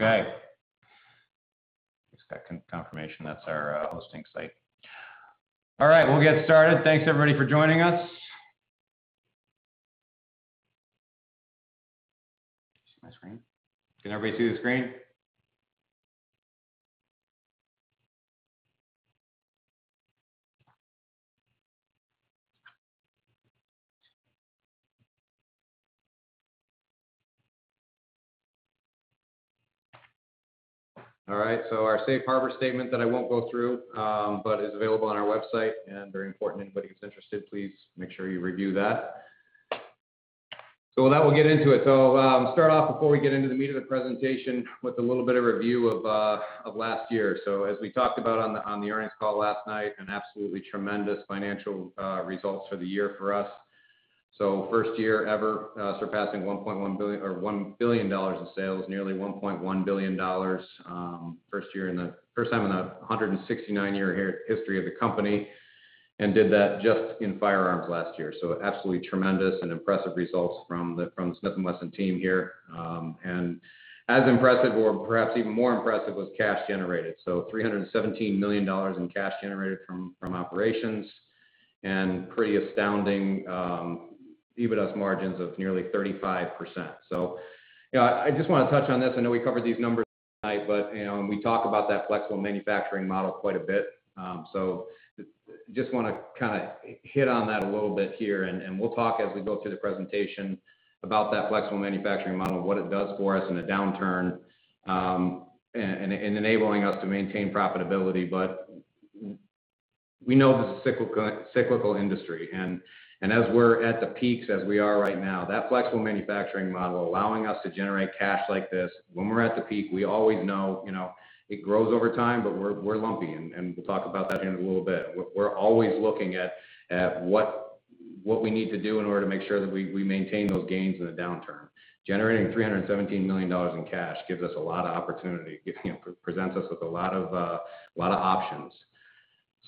All right, we'll get started. Thanks everybody for joining us. See my screen? Can everybody see the screen? All right. Our safe harbor statement that I won't go through, but is available on our website and very important, anybody who's interested, please make sure you review that. With that, we'll get into it. Start off before we get into the meat of the presentation with a little bit of review of last year. As we talked about on the earnings call last night, an absolutely tremendous financial results for the year for us. First year ever surpassing $1 billion of sales, nearly $1.1 billion, first time in the 169-year history of the company, and did that just in firearms last year. Absolutely tremendous and impressive results from Smith & Wesson team here. As impressive or perhaps even more impressive was cash generated. $317 million in cash generated from operations and pretty astounding EBITDA margins of nearly 35%. Yeah, I just want to touch on this. I know we covered these numbers tonight, but we talk about that flexible manufacturing model quite a bit. Just want to kind of hit on that a little bit here and we'll talk as we go through the presentation about that flexible manufacturing model, what it does for us in a downturn, and enabling us to maintain profitability. We know this is a cyclical industry and as we're at the peaks as we are right now, that flexible manufacturing model allowing us to generate cash like this when we're at the peak, we always know it grows over time, but we're lumpy and we'll talk about that in a little bit. We're always looking at what we need to do in order to make sure that we maintain those gains in a downturn. Generating $317 million in cash gives us a lot of opportunity, presents us with a lot of options.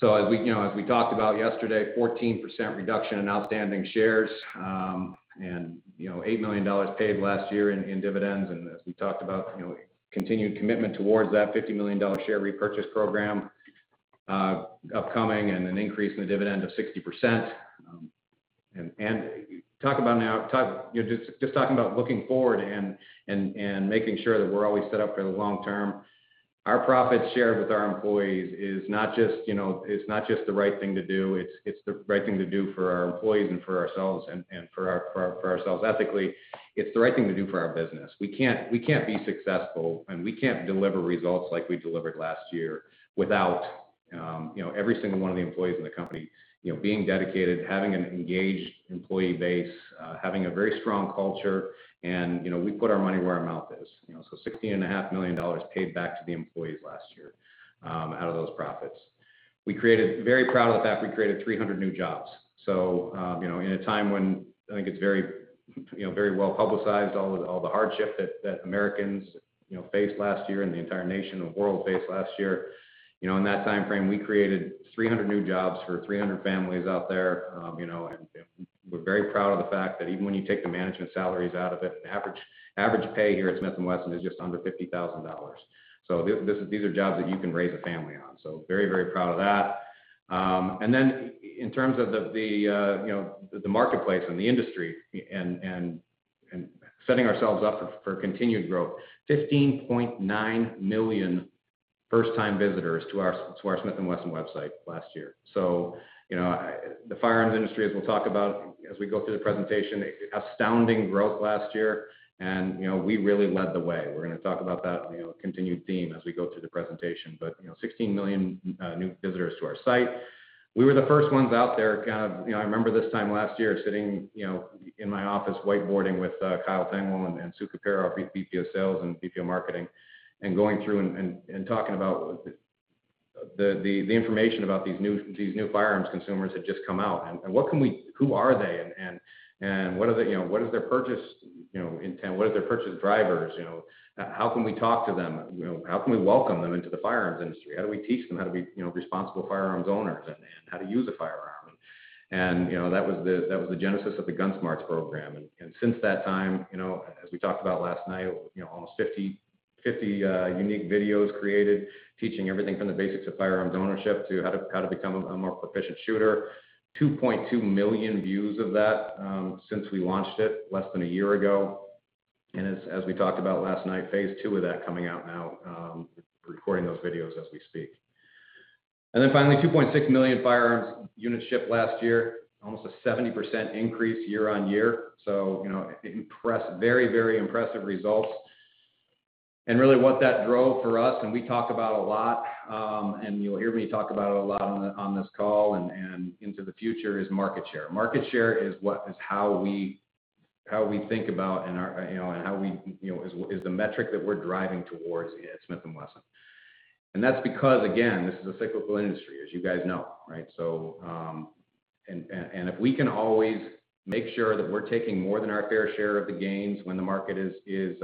As we talked about yesterday, 14% reduction in outstanding shares, and $8 million paid last year in dividends. As we talked about, continued commitment towards that $50 million share repurchase program, upcoming and an increase in the dividend of 60%. Just talking about looking forward and making sure that we're always set up for the long term. Our profits shared with our employees is not just the right thing to do, it's the right thing to do for our employees and for ourselves ethically. It's the right thing to do for our business. We can't be successful and we can't deliver results like we delivered last year without every single one of the employees in the company being dedicated, having an engaged employee base, having a very strong culture. We put our money where our mouth is. $16.5 million paid back to the employees last year out of those profits. Very proud of the fact we created 300 new jobs. In a time when I think it's very well-publicized, all the hardship that Americans faced last year and the entire nation and world faced last year. In that timeframe, we created 300 new jobs for 300 families out there. We're very proud of the fact that even when you take the management salaries out of it, the average pay here at Smith & Wesson is just under $50,000. These are jobs that you can raise a family on. Very proud of that. In terms of the marketplace and the industry and setting ourselves up for continued growth, 15.9 million first time visitors to our Smith & Wesson website last year. The firearms industry, as we'll talk about as we go through the presentation, astounding growth last year and we really led the way. We're going to talk about that continued theme as we go through the presentation. 16 million new visitors to our site. We were the first ones out there. I remember this time last year sitting in my office whiteboarding with Kyle Tengwall and Sue Cupero, VP of sales and VP of marketing, and going through and talking about the information about these new firearms consumers that just come out and who are they and what is their purchase intent, what are their purchase drivers? How can we talk to them? How can we welcome them into the firearms industry? How do we teach them how to be responsible firearms owners and how to use a firearm? That was the genesis of the GUNSMARTS program. Since that time, as we talked about last night, almost 50 unique videos created teaching everything from the basics of firearm ownership to how to become a more proficient shooter. 2.2 million views of that since we launched it less than a year ago. As we talked about last night, phase II of that coming out now, recording those videos as we speak. Finally, 2.6 million firearms units shipped last year, almost a 70% increase year-on-year. Very impressive results. Really what that drove for us, and we talk about a lot, and you'll hear me talk about a lot on this call and into the future is market share. Market share is how we think about and is a metric that we're driving towards here at Smith & Wesson. That's because, again, this is a cyclical industry, as you guys know, right? If we can always make sure that we're taking more than our fair share of the gains when the market is in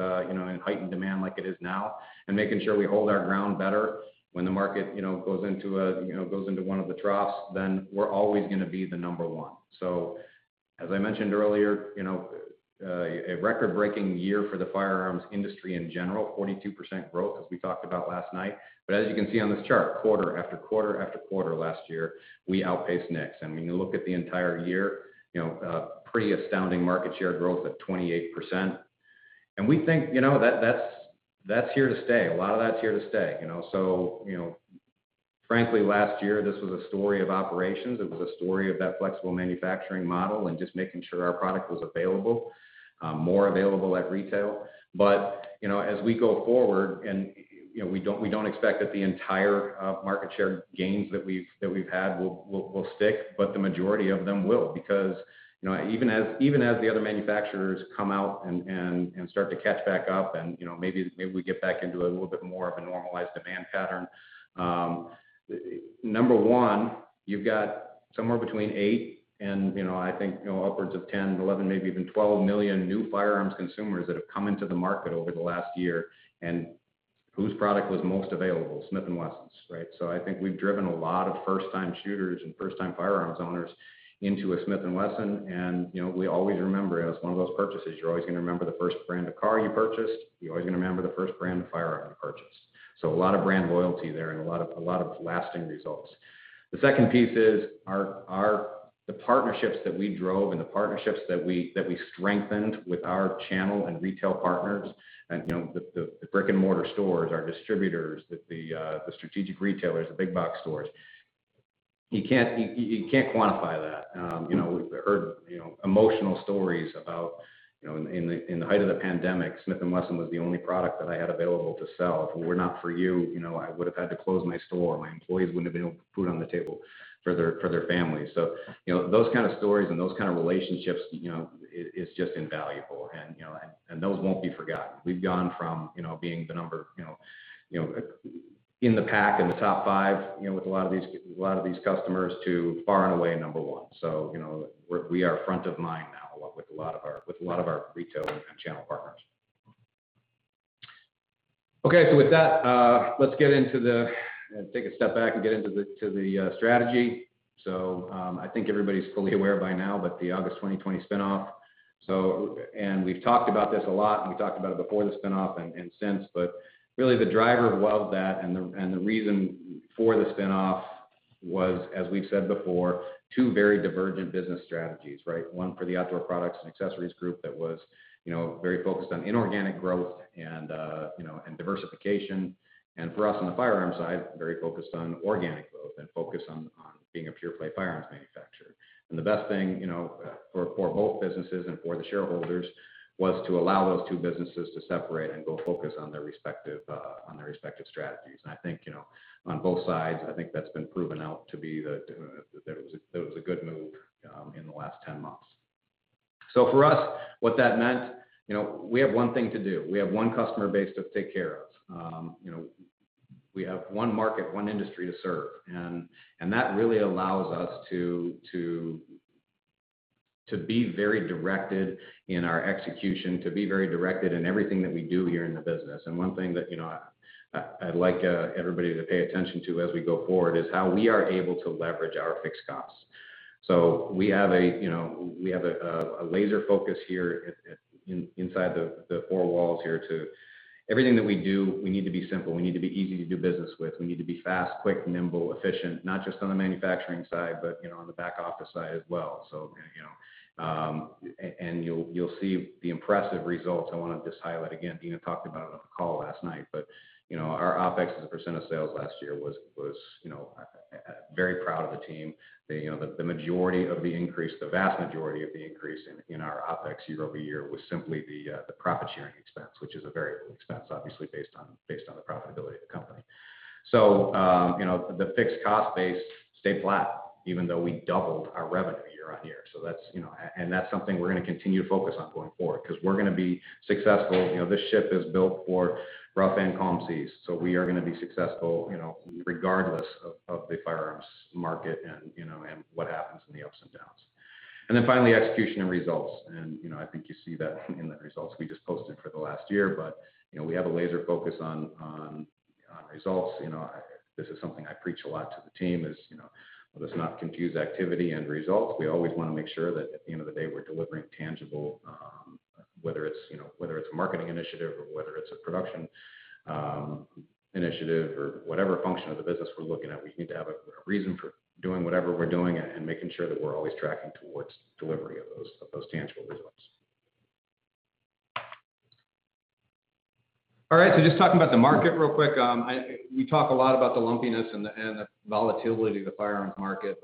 heightened demand like it is now, and making sure we hold our ground better when the market goes into one of the troughs, then we're always going to be the number one. As I mentioned earlier, a record-breaking year for the firearms industry in general, 42% growth as we talked about last night. As you can see on this chart, quarter after quarter after quarter last year, we outpaced NICS. You look at the entire year, a pretty astounding market share growth at 28%. We think that's here to stay. A lot of that's here to stay. Frankly last year this was a story of operations. It was a story of that flexible manufacturing model and just making sure our product was available, more available at retail. As we go forward and we don't expect that the entire market share gains that we've had will stick, but the majority of them will because even as the other manufacturers come out and start to catch back up and maybe we get back into a little bit more of a normalized demand pattern. Number one, you've got somewhere between eight and I think upwards of 10, 11, maybe even 12 million new firearms consumers that have come into the market over the last year and whose product was most available, Smith & Wesson's. I think we've driven a lot of first-time shooters and first-time firearms owners into a Smith & Wesson and we always remember as one of those purchases, you're always going to remember the first brand of car you purchased. You're always going to remember the first brand of firearm you purchased. A lot of brand loyalty there and a lot of lasting results. The second piece is the partnerships that we drove and the partnerships that we strengthened with our channel and retail partners and with the brick and mortar stores, our distributors, with the strategic retailers, the big box stores. You can't quantify that. We've heard emotional stories about in the height of the pandemic, Smith & Wesson was the only product that I had available to sell. If it were not for you, I would have had to close my store. My employees wouldn't have been able to put food on the table for their families. Those kind of stories and those kind of relationships, it's just invaluable, and those won't be forgotten. We've gone from being the number in the pack in the top five with a lot of these customers to far and away number one. We are front of mind now with a lot of our retail and channel partners. With that, let's take a step back and get into the strategy. I think everybody's fully aware by now, but the August 2020 spin-off. We've talked about this a lot and we talked about it before the spin-off and since, but really the driver of that and the reason for the spin-off was, as we said before, two very divergent business strategies, right? One for the outdoor products and accessories group that was very focused on inorganic growth and diversification. For us on the firearms side, very focused on organic growth and focused on being a pure play firearms manufacturer. The best thing for both businesses and for the shareholders was to allow those two businesses to separate and go focus on their respective strategies. I think, on both sides, I think that's been proven out to be that it was a good move in the last 10 months. For us, what that meant, we have one thing to do. We have one customer base to take care of. We have one market, one industry to serve, and that really allows us to be very directed in our execution, to be very directed in everything that we do here in the business. One thing that I'd like everybody to pay attention to as we go forward is how we are able to leverage our fixed costs. We have a laser focus here inside the four walls here to everything that we do, we need to be simple. We need to be easy to do business with. We need to be fast, quick, nimble, efficient, not just on the manufacturing side, but on the back office side as well. You'll see the impressive results. I wanted to highlight again, Deana talked about it on the call last night, but our OPEX as a percent of sales last year was very proud of the team. The majority of the increase, the vast majority of the increase in our OPEX year-over-year was simply the profit sharing expense, which is a variable expense, obviously based on the profitability of the company. The fixed cost base stayed flat even though we doubled our revenue year-over-year. That's something we're going to continue to focus on going forward because we're going to be successful. This ship is built for rough and calm seas. We are going to be successful regardless of the firearms market and what happens in the ups and downs. Finally, execution and results. We have a laser focus on results. This is something I preach a lot to the team is let's not confuse activity and results. We always want to make sure that at the end of the day, we're delivering tangible, whether it's a marketing initiative or whether it's a production initiative or whatever function of the business we're looking at, we need to have a reason for doing whatever we're doing and making sure that we're always tracking towards delivery of those tangible results. All right. Just talking about the market real quick. We talk a lot about the lumpiness and the volatility of the firearms market,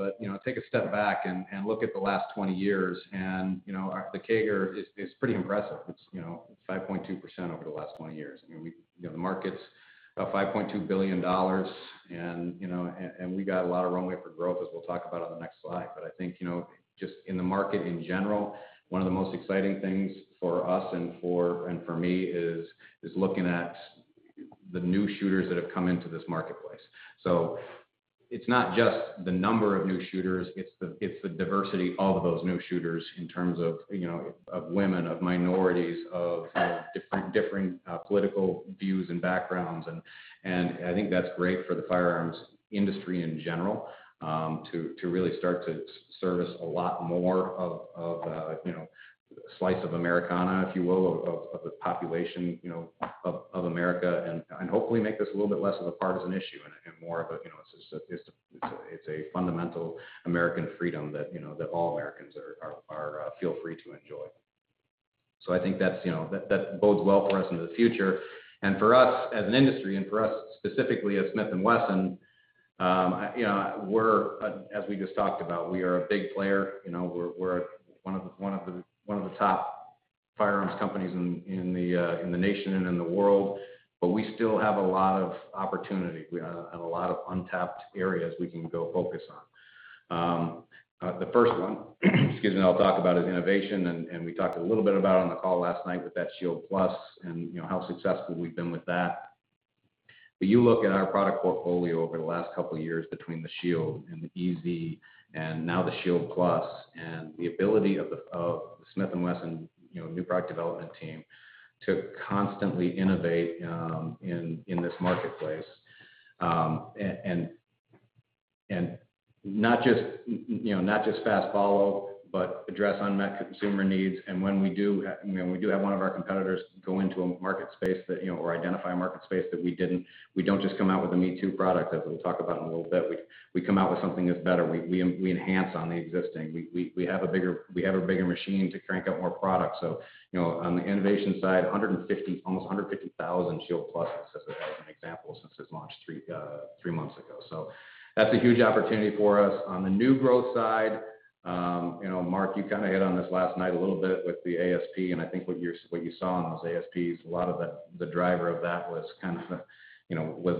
take a step back and look at the last 20 years and the CAGR is pretty impressive. It's 5.2% over the last 20 years. The market's $5.2 billion we got a lot of runway for growth as we'll talk about on the next slide. I think just in the market in general, one of the most exciting things for us and for me is looking at the new shooters that have come into this marketplace. It's not just the number of new shooters, it's the diversity of those new shooters in terms of women, of minorities, of different political views and backgrounds. I think that's great for the firearms industry in general to really start to service a lot more of a slice of Americana, if you will, of the population of America and hopefully make this a little bit less of a partisan issue and more of a, it's a fundamental American freedom that all Americans feel free to enjoy. I think that bodes well for us in the future. For us as an industry and for us specifically at Smith & Wesson, as we just talked about, we are a big player. We're one of the top firearms companies in the nation and in the world, but we still have a lot of opportunity. We have a lot of untapped areas we can go focus on. The first one I'll talk about is innovation, and we talked a little bit about it on the call last night with that Shield Plus and how successful we've been with that. You look at our product portfolio over the last two years between the Shield and the EZ and now the Shield Plus and the ability of the Smith & Wesson new product development team to constantly innovate in this marketplace. Not just fast follow, but address unmet consumer needs. When we do have one of our competitors go into a market space or identify a market space that we didn't, we don't just come out with a me-too product, as we'll talk about in a little bit. We come out with something that's better. We enhance on the existing. We have a bigger machine to crank out more product. On the innovation side, almost 150,000 Shield Plus's, as an example, since it's launched three months ago. That's a huge opportunity for us. On the new growth side, [Mark, you] hit on this last night a little bit with the ASP, and I think what you saw in those ASPs, a lot of the driver of that was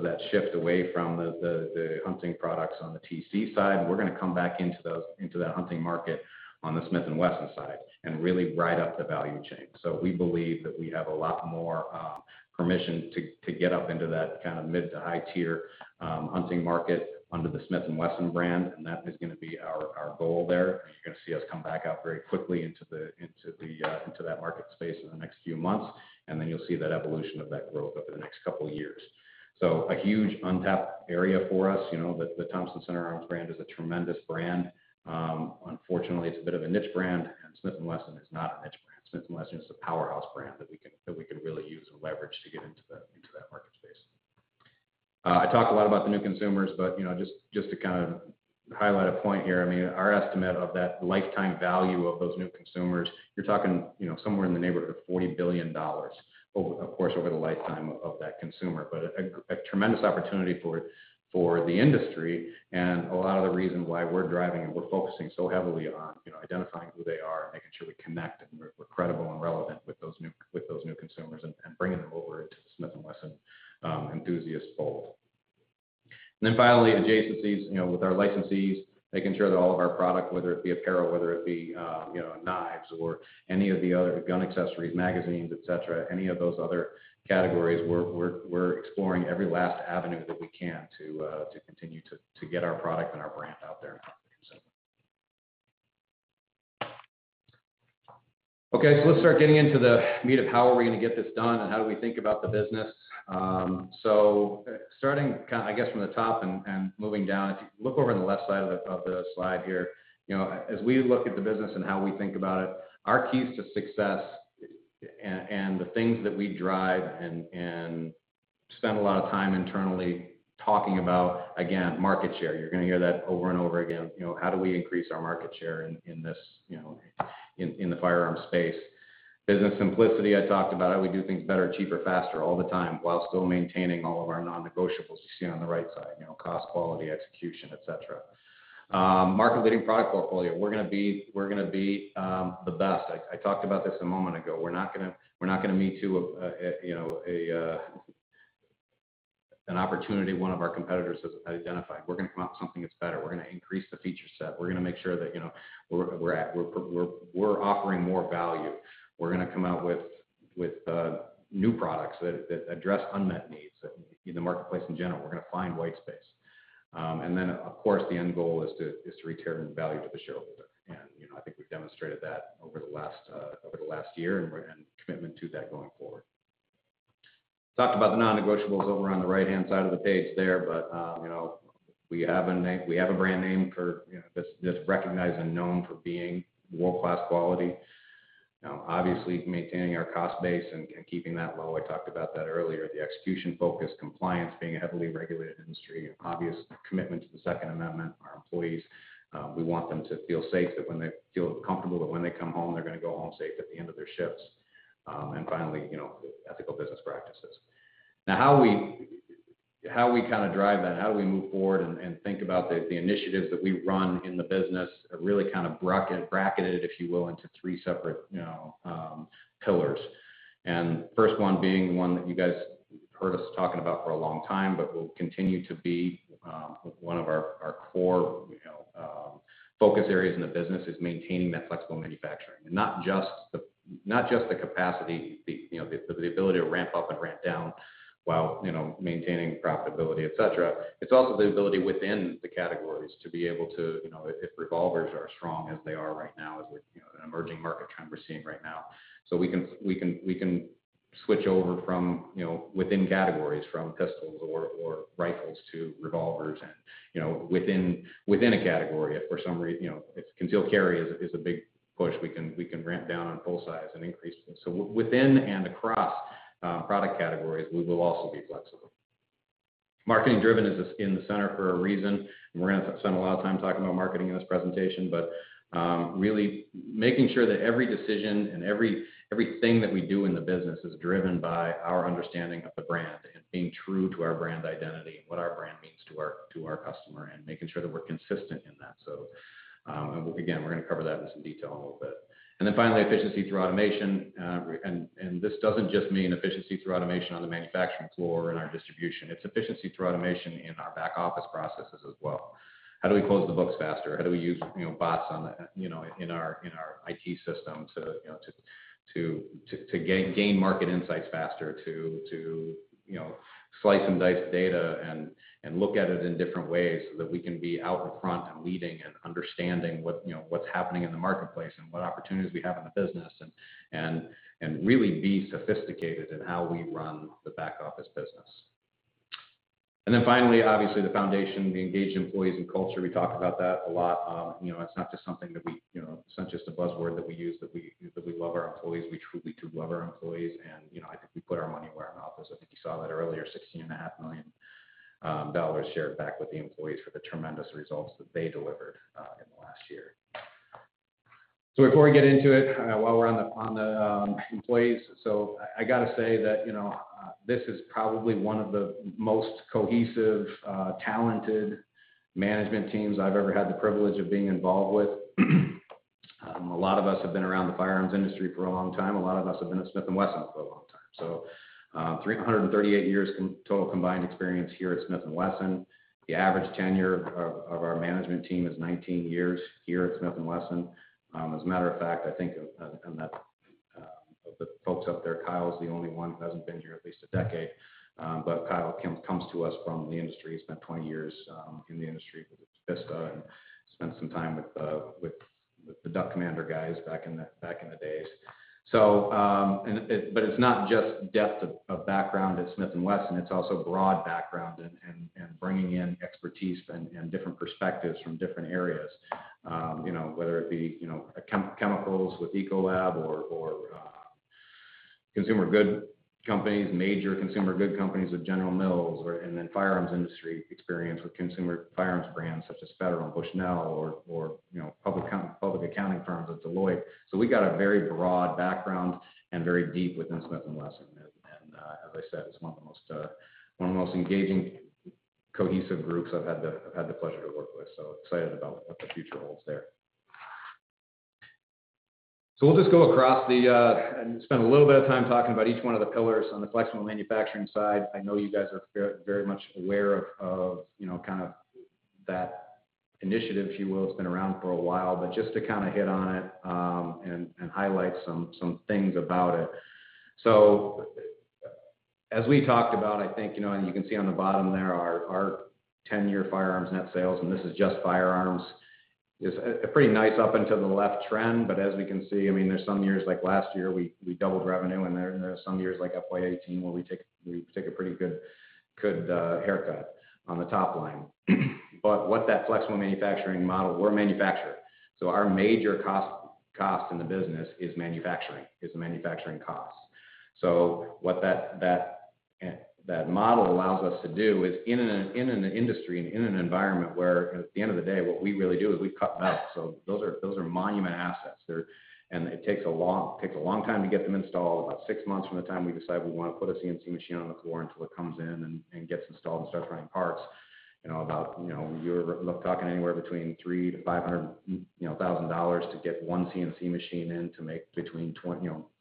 that shift away from the hunting products on the T/C side. We're going to come back into the hunting market on the Smith & Wesson side and really ride up the value chain. We believe that we have a lot more permission to get up into that mid to high-tier hunting market under the Smith & Wesson brand, and that is going to be our goal there. You're going to see us come back out very quickly into that market space in the next few months, and then you'll see that evolution of that growth over the next couple of years. A huge untapped area for us. The Thompson/Center Arms brand is a tremendous brand. Unfortunately, it's a bit of a niche brand, and Smith & Wesson is not a niche brand. Smith & Wesson is a powerhouse brand that we could really use to leverage to get into that market space. I talked a lot about the new consumers, but just to highlight a point here, our estimate of that lifetime value of those new consumers, you're talking somewhere in the neighborhood of $40 billion, of course, over the lifetime of that consumer. A tremendous opportunity for the industry and a lot of the reason why we're driving and we're focusing so heavily on identifying who they are and making sure we connect and we're credible and relevant with those new consumers and bringing them over into the Smith & Wesson enthusiast fold. Finally, adjacencies. With our licensees, making sure that all of our product, whether it be apparel, whether it be knives or any of the other gun accessories, magazines, et cetera, any of those other categories, we're exploring every last avenue that we can to continue to get our product and our brand out there in front of the consumer. Okay, let's start getting into the meat of how are we going to get this done and how do we think about the business. Starting, I guess from the top and moving down, if you look over on the left side of the slide here, as we look at the business and how we think about it, our keys to success and the things that we drive and spend a lot of time internally talking about, again, market share. You're going to hear that over and over again. How do we increase our market share in the firearm space? Business simplicity, I talked about it. We do things better, cheaper, faster all the time, while still maintaining all of our non-negotiables you see on the right side, cost, quality, execution, et cetera. Market-leading product portfolio. We're going to be the best. I talked about this a moment ago. We're not going to me-too an opportunity one of our competitors has identified. We're going to come out with something that's better. We're going to increase the feature set. We're going to make sure that we're offering more value. We're going to come out with new products that address unmet needs in the marketplace in general. We're going to find white space. Then, of course, the end goal is to return value to the shareholder. I think we've demonstrated that over the last year and commitment to that going forward. Talked about the non-negotiables over on the right-hand side of the page there, but we have a brand name that's recognized and known for being world-class quality. Obviously, maintaining our cost base and keeping that low. I talked about that earlier. The execution focus, compliance, being a heavily regulated industry, obvious commitment to the Second Amendment, our employees. We want them to feel safe, that when they feel comfortable that when they come home, they're going to go home safe at the end of their shifts. Finally, ethical business practices. How we drive that, and how we move forward and think about the initiatives that we run in the business are really bracketed, if you will, into three separate pillars. First one being one that you guys have heard us talking about for a long time, but will continue to be one of our core focus areas in the business is maintaining that flexible manufacturing. Not just the capacity, the ability to ramp up and ramp down while maintaining profitability, et cetera. It's also the ability within the categories to be able to, if revolvers are as strong as they are right now, is an emerging market trend we're seeing right now. We can switch over from within categories, from pistols or rifles to revolvers. Within a category, if for some reason concealed carry is a big push, we can ramp down on full size and increase pistols. Within and across product categories, we will also be flexible. Marketing driven is the skin in the center for a reason. We're going to spend a lot of time talking about marketing in this presentation, but really making sure that every decision and every thing that we do in the business is driven by our understanding of the brand and being true to our brand identity, what our brand means to our customer, and making sure that we're consistent in that. Again, we're going to cover that in some detail in a little bit. Finally, efficiency through automation. This doesn't just mean efficiency through automation on the manufacturing floor and our distribution. It's efficiency through automation in our back-office processes as well. How do we close the books faster? How do we use bots in our IT system to gain market insights faster, to slice and dice data and look at it in different ways so that we can be out in front and leading and understanding what's happening in the marketplace and what opportunities we have in the business and really be sophisticated in how we run the back-office business. Finally, obviously, the foundation, the engaged employees and culture. We talk about that a lot. It's not just a buzzword that we use that we love our employees. We truly do love our employees, and I think we put our money where our mouth is. I think you saw that earlier, $16.5 million shared back with the employees for the tremendous results that they delivered in the last year. Before I get into it, while we're on the employees, I got to say that this is probably one of the most cohesive, talented management teams I've ever had the privilege of being involved with. A lot of us have been around the firearms industry for a long time. A lot of us have been at Smith & Wesson for a long time. 338 years total combined experience here at Smith & Wesson. The average tenure of our management team is 19 years here at Smith & Wesson. As a matter of fact, I think of the folks up there, Kyle's the only one who hasn't been here at least a decade. Kyle comes to us from the industry, spent 20 years in the industry with Espada and spent some time with the Duck Commander guys back in the days. It's not just depth of background at Smith & Wesson, it's also broad background and bringing in expertise and different perspectives from different areas, whether it be chemicals with Ecolab or consumer good companies, major consumer good companies with General Mills, or in the firearms industry experience with consumer firearms brands such as Federal and Bushnell or public accounting firms at Deloitte. We got a very broad background and very deep within Smith & Wesson. As I said, it's one of the most engaging, cohesive groups I've had the pleasure to work with. Excited about what the future holds there. We'll just go across and spend a little bit of time talking about each one of the pillars. On the flexible manufacturing side, I know you guys are very much aware of that initiative, if you will. It's been around for a while, just to hit on it, and highlight some things about it. As we talked about, I think, and you can see on the bottom there, our 10-year firearms net sales, and this is just firearms, is a pretty nice up and to the left trend. As we can see, there's some years, like last year, we doubled revenue, and there's some years, like FY 2018, where we took a pretty good haircut on the top line. We're a manufacturer, so our major cost in the business is manufacturing costs. What that model allows us to do is in an industry, in an environment where at the end of the day, what we really do is we cut metal. Those are monument assets. It takes a long time to get them installed, about six months from the time we decide we want to put a CNC machine on the floor until it comes in and gets installed and starts running parts. You're talking anywhere between $3,000-$500,000 to get one CNC machine in to make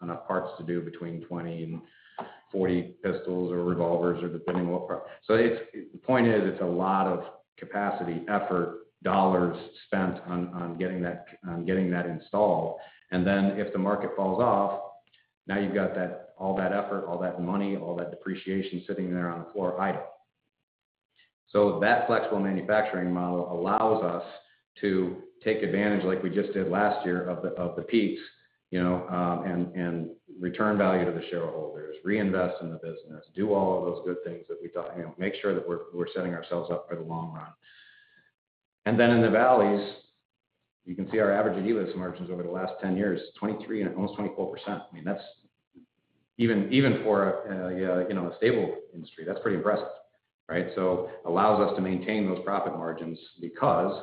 enough parts to do between 20 and 40 pistols or revolvers. The point is, it's a lot of capacity, effort, dollars spent on getting that installed. Then if the market falls off, now you've got all that effort, all that money, all that depreciation sitting there on the floor idle. That flexible manufacturing model allows us to take advantage, like we just did last year, of the peaks, and return value to the shareholders, reinvest in the business, do all of those good things that we talk. Make sure that we're setting ourselves up for the long run. Then in the valleys, you can see our average EBIT margins over the last 10 years, 23%, almost 24%. Even for a stable industry, that's pretty aggressive, right? It allows us to maintain those profit margins because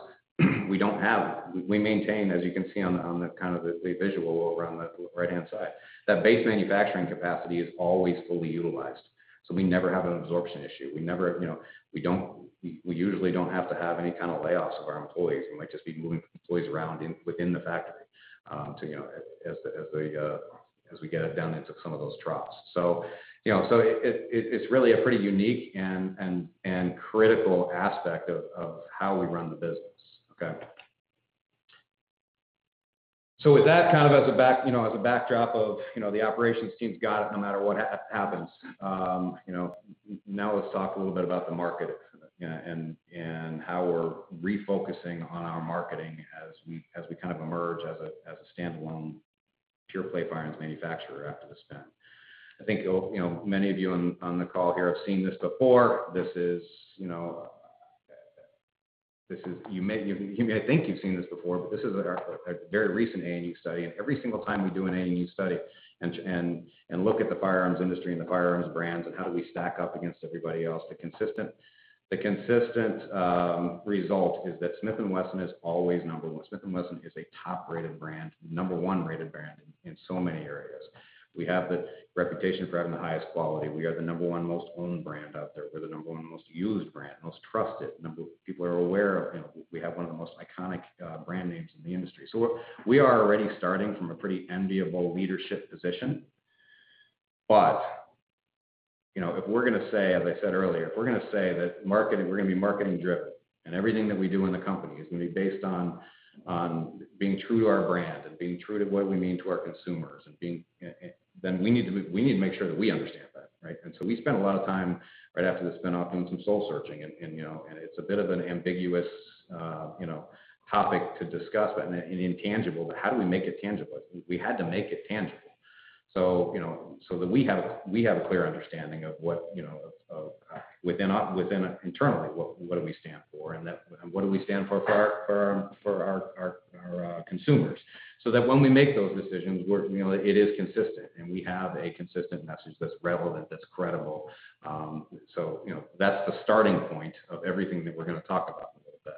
we maintain, as you can see on the visual over on the right-hand side, that base manufacturing capacity is always fully utilized. We never have an absorption issue. We usually don't have to have any kind of layoffs of our employees. We might just be moving employees around within the factory as we get it down into some of those troughs. It's really a pretty unique and critical aspect of how we run the business, okay? With that as the backdrop of the operations team's got it no matter what happens, now let's talk a little bit about the market and how we're refocusing on our marketing as we emerge as a standalone pure play firearms manufacturer after the spin. I think many of you on the call here have seen this before. You may think you've seen this before. This is a very recent A&U study. Every single time we do an A&U study and look at the firearms industry and the firearms brands and how we stack up against everybody else, the consistent result is that Smith & Wesson is always number one. Smith & Wesson is a top-rated brand, the number one rated brand in so many areas. We have the reputation for having the highest quality. We are the number one most owned brand out there. We're the number one most used brand, most trusted. People are aware of them. We have one of the most iconic brand names in the industry. We are already starting from a pretty enviable leadership position. If we're going to say, as I said earlier, we're going to be marketing-driven, and everything that we do in the company is going to be based on being true to our brand and being true to what we mean to our consumers, then we need to make sure that we understand that, right? We spent a lot of time right after the spin-off doing some soul searching, and it's a bit of an ambiguous topic to discuss and intangible, but how do we make it tangible? We had to make it tangible so that we have a clear understanding internally, what do we stand for, and what do we stand for our consumers, so that when we make those decisions, it is consistent, and we have a consistent message that's relevant, that's credible. That's the starting point of everything that we're going to talk about in a little bit.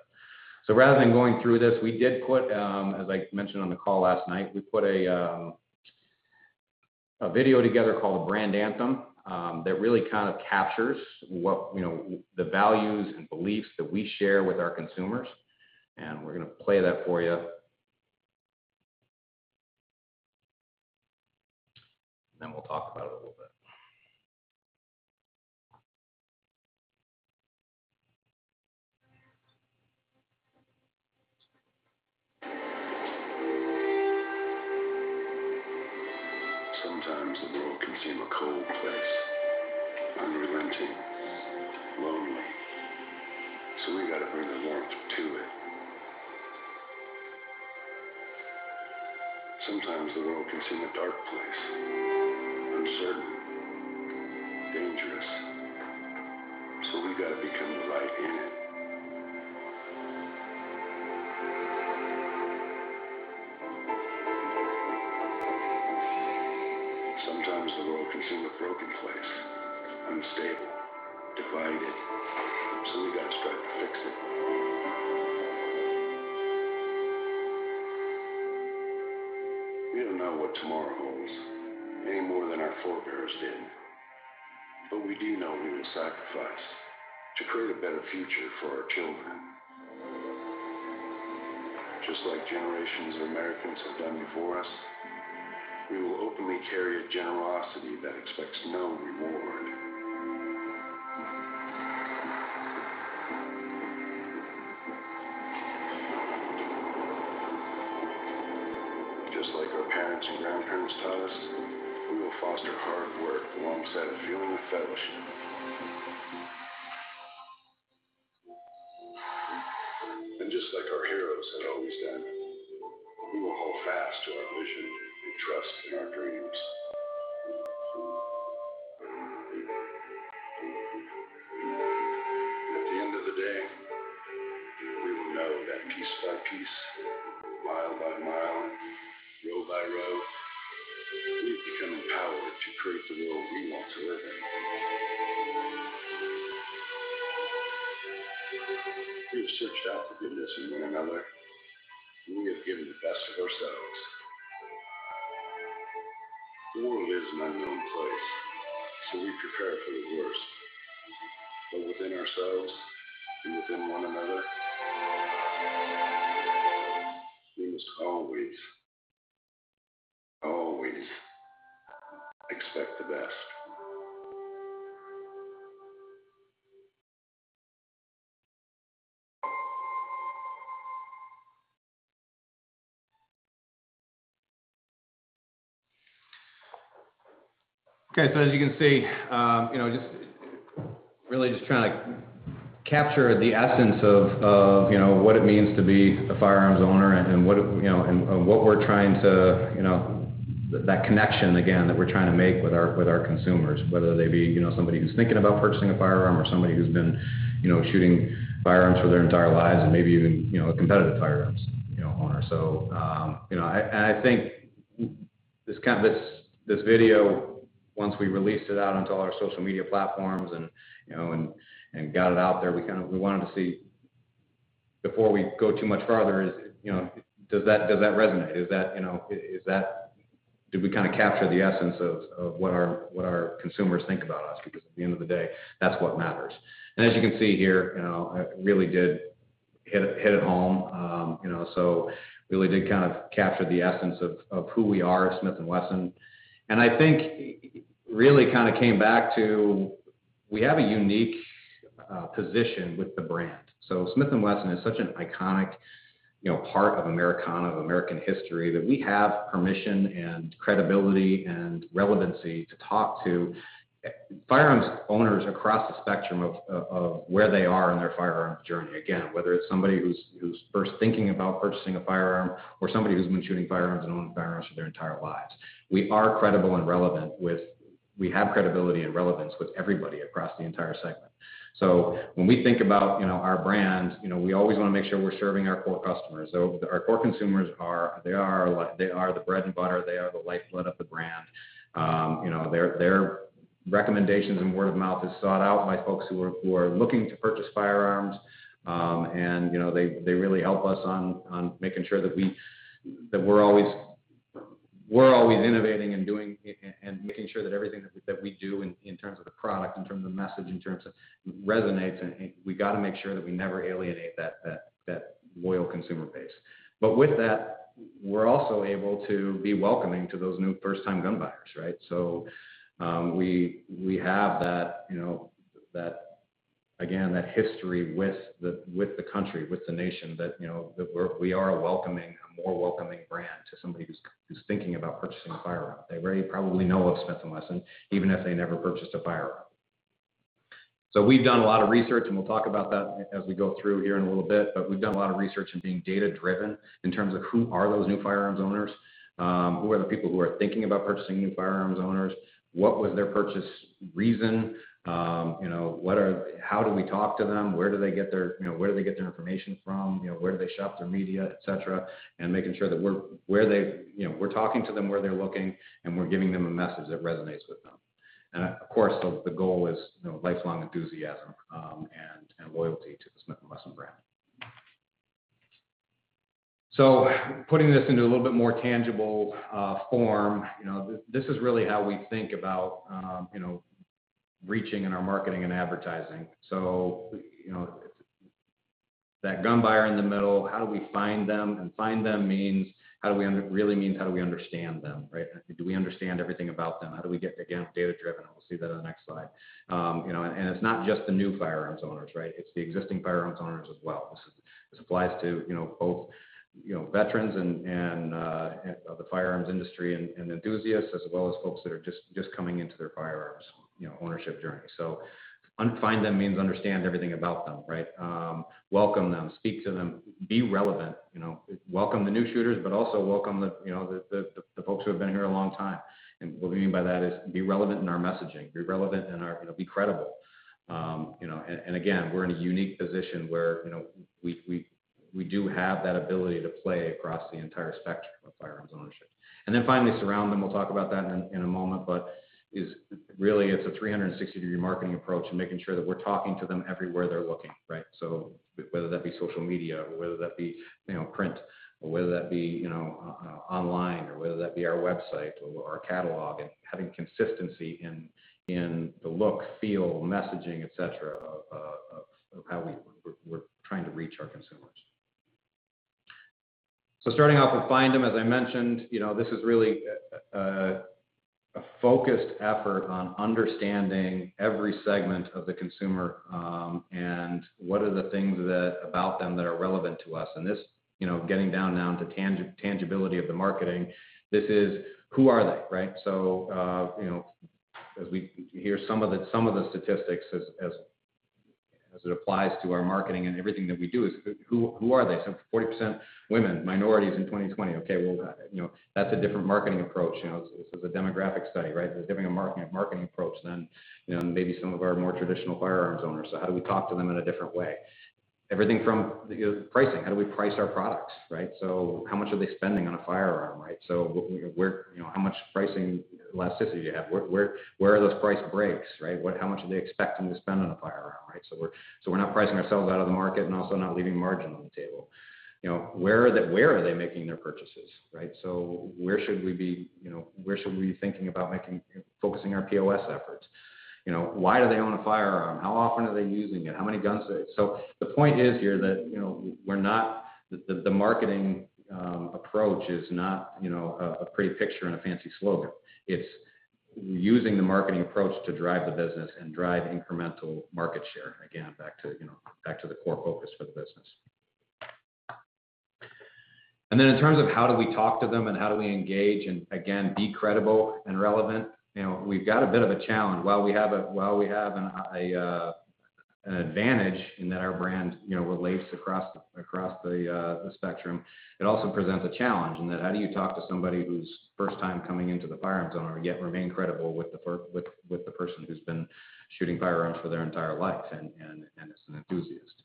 Rather than going through this, as I mentioned on the call last night, we put a video together called "Brand Anthem" that really kind of captures the values and beliefs that we share with our consumers, and we're going to play that for you. We'll talk about it a little bit. Sometimes the world can seem a cold place, unrelenting, lonely, so we got to bring the warmth to it. Sometimes the world can seem a dark place, uncertain, dangerous, so we got to become the light in it. Sometimes the world can seem a broken place, unstable, divided, so we got to strive to fix it. We don't know what tomorrow holds, any more than our forebears did, but we do know we will sacrifice to create a better future for our children. Just like generations of Americans have done before us, we will openly carry a generosity that expects no reward. Just like our parents and grandparents taught us, we will foster hard work alongside a feeling of fellowship. Just like our heroes have always done, we will hold fast to our vision and trust in our dreams. At the end of the day, we will know that piece by piece, mile by mile, road by road, we have become empowered to create the world we want to live in. We have searched out the goodness in one another, and we have given the best of ourselves. The world is an unknown place, so we prepare for the worst. Within ourselves, and within one another, we must always expect the best. Okay, as you can see, really just trying to capture the essence of what it means to be a firearms owner and that connection, again, that we're trying to make with our consumers, whether they be somebody who's thinking about purchasing a firearm or somebody who's been shooting firearms for their entire lives and maybe even a competitive firearms owner. I think this video, once we released it out into all our social media platforms and got it out there, we wanted to see before we go too much further, does that resonate? Did we capture the essence of what our consumers think about us? At the end of the day, that's what matters. As you can see here, it really did hit home. Really did capture the essence of who we are at Smith & Wesson. I think really came back to we have a unique position with the brand. Smith & Wesson is such an iconic part of Americana, of American history, that we have permission and credibility and relevancy to talk to firearms owners across the spectrum of where they are in their firearms journey. Again, whether it's somebody who's first thinking about purchasing a firearm or somebody who's been shooting firearms and owning firearms for their entire lives. We have credibility and relevance with everybody across the entire segment. When we think about our brand, we always want to make sure we're serving our core customers. Our core consumers, they are the bread and butter, they are the lifeblood of the brand. Their recommendations and word of mouth is sought out by folks who are looking to purchase firearms. They really help us on making sure that we're always innovating and making sure that everything that we do in terms of product, in terms of message, in terms of resonates, and we got to make sure that we never alienate that loyal consumer base. With that, we're also able to be welcoming to those new first-time gun buyers, right? We have, again, that history with the country, with the nation, that we are a more welcoming brand to somebody who's thinking about purchasing a firearm. They very probably know of Smith & Wesson, even if they never purchased a firearm. We've done a lot of research, and we'll talk about that as we go through here in a little bit. We've done a lot of research in being data-driven in terms of who are those new firearms owners? Who are the people who are thinking about purchasing new firearms owners? What was their purchase reason? How do we talk to them? Where do they get their information from? Where do they shop for media, et cetera? Making sure that we're talking to them where they're looking, and we're giving them a message that resonates with them. Of course, the goal is lifelong enthusiasm and loyalty to the Smith & Wesson brand. Putting this into a little bit more tangible form, this is really how we think about reaching in our marketing and advertising. That gun buyer in the middle, how do we find them? Find them really means how do we understand them, right? Do we understand everything about them? How do we get, again, data-driven? We'll see that on the next slide. It's not just the new firearms owners, right? It's the existing firearms owners as well. This applies to both veterans and the firearms industry and enthusiasts as well as folks that are just coming into their firearms ownership journey. Find them means understand everything about them, right? Welcome them, speak to them, be relevant. Welcome the new shooters, but also welcome the folks who have been here a long time. What we mean by that is be relevant in our messaging, be relevant and be credible. Again, we're in a unique position where we do have that ability to play across the entire spectrum of firearms ownership. Finally, surround them. We'll talk about that in a moment, but really it's a 360-degree marketing approach, making sure that we're talking to them everywhere they're looking, right? Whether that be social media, whether that be print, or whether that be online, or whether that be our website or our catalog, and having consistency in the look, feel, messaging, et cetera, of how we're trying to reach our consumers. Starting off with find them, as I mentioned, this is really a focused effort on understanding every segment of the consumer, and what are the things about them that are relevant to us. This, getting down now into tangibility of the marketing, this is who are they, right? Here's some of the statistics as it applies to our marketing and everything that we do is who are they? 40% women, minorities in 2020. Okay, well, that's a different marketing approach. This is a demographic study, right? It's a different marketing approach than maybe some of our more traditional firearms owners. How do we talk to them in a different way. Everything from pricing. How do we price our products, right? How much are they spending on a firearm? How much pricing elasticity do you have? Where are those price breaks, right? How much are they expecting to spend on a firearm, right? We're not pricing ourselves out of the market and also not leaving margin on the table. Where are they making their purchases, right? Where should we be thinking about focusing our POS efforts? Why do they own a firearm? How often are they using it? How many guns do they. The point is here that the marketing approach is not a pretty picture and a fancy slogan. It's using the marketing approach to drive the business and drive incremental market share. Again, back to the core focus for the business. In terms of how do we talk to them and how do we engage and, again, be credible and relevant, we've got a bit of a challenge. While we have an advantage in that our brand relates across the spectrum, it also presents a challenge in that how do you talk to somebody who's first time coming into the firearms ownership, yet remain credible with the person who's been shooting firearms for their entire life and is an enthusiast.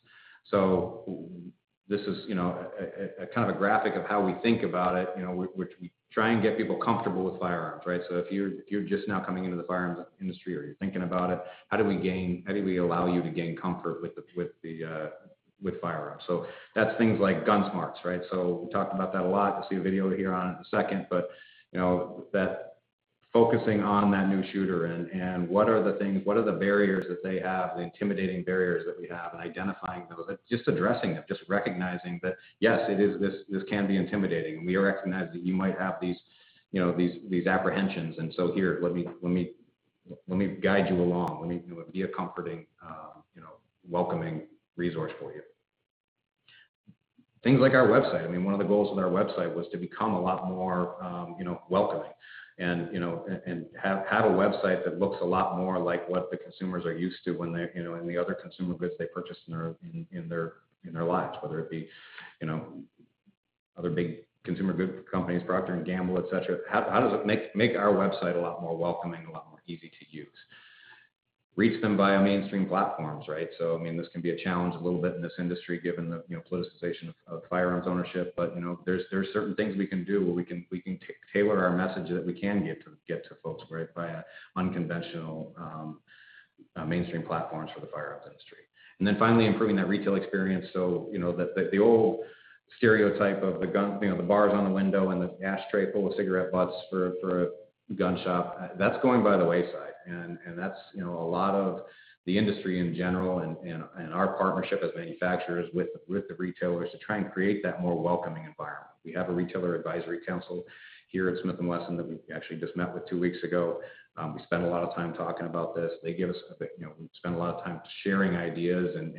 This is a kind of graphic of how we think about it, which we try and get people comfortable with firearms, right? If you're just now coming into the firearms industry or you're thinking about it, how do we allow you to gain comfort with firearms? That's things like GUNSMARTS, right? We talk about that a lot. You'll see a video here in a second. Focusing on that new shooter and what are the barriers that they have, the intimidating barriers that they have, and identifying those, but just addressing it, just recognizing that, yes, this can be intimidating. We recognize that you might have these apprehensions, here, let me guide you along. Let me be a comforting, welcoming resource for you. Things like our website. One of the goals of our website was to become a lot more welcoming and have a website that looks a lot more like what the consumers are used to in the other consumer goods they purchase in their lives, whether it be other big consumer goods companies, Procter & Gamble, et cetera. How does it make our website a lot more welcoming, a lot more easy to use? Reach them via mainstream platforms, right? This can be a challenge a little bit in this industry given the politicization of firearms ownership. There's certain things we can do where we can tailor our message that we can get to folks, right, via unconventional mainstream platforms for the firearms industry. Finally, improving that retail experience. The old stereotype of the bars on the window and the ashtray full of cigarette butts for a gun shop, that's going by the wayside. That's a lot of the industry in general and our partnership as manufacturers with the retailers to try and create that more welcoming environment. We have a retailer advisory council here at Smith & Wesson that we actually just met with two weeks ago. We spend a lot of time talking about this. We spend a lot of time sharing ideas and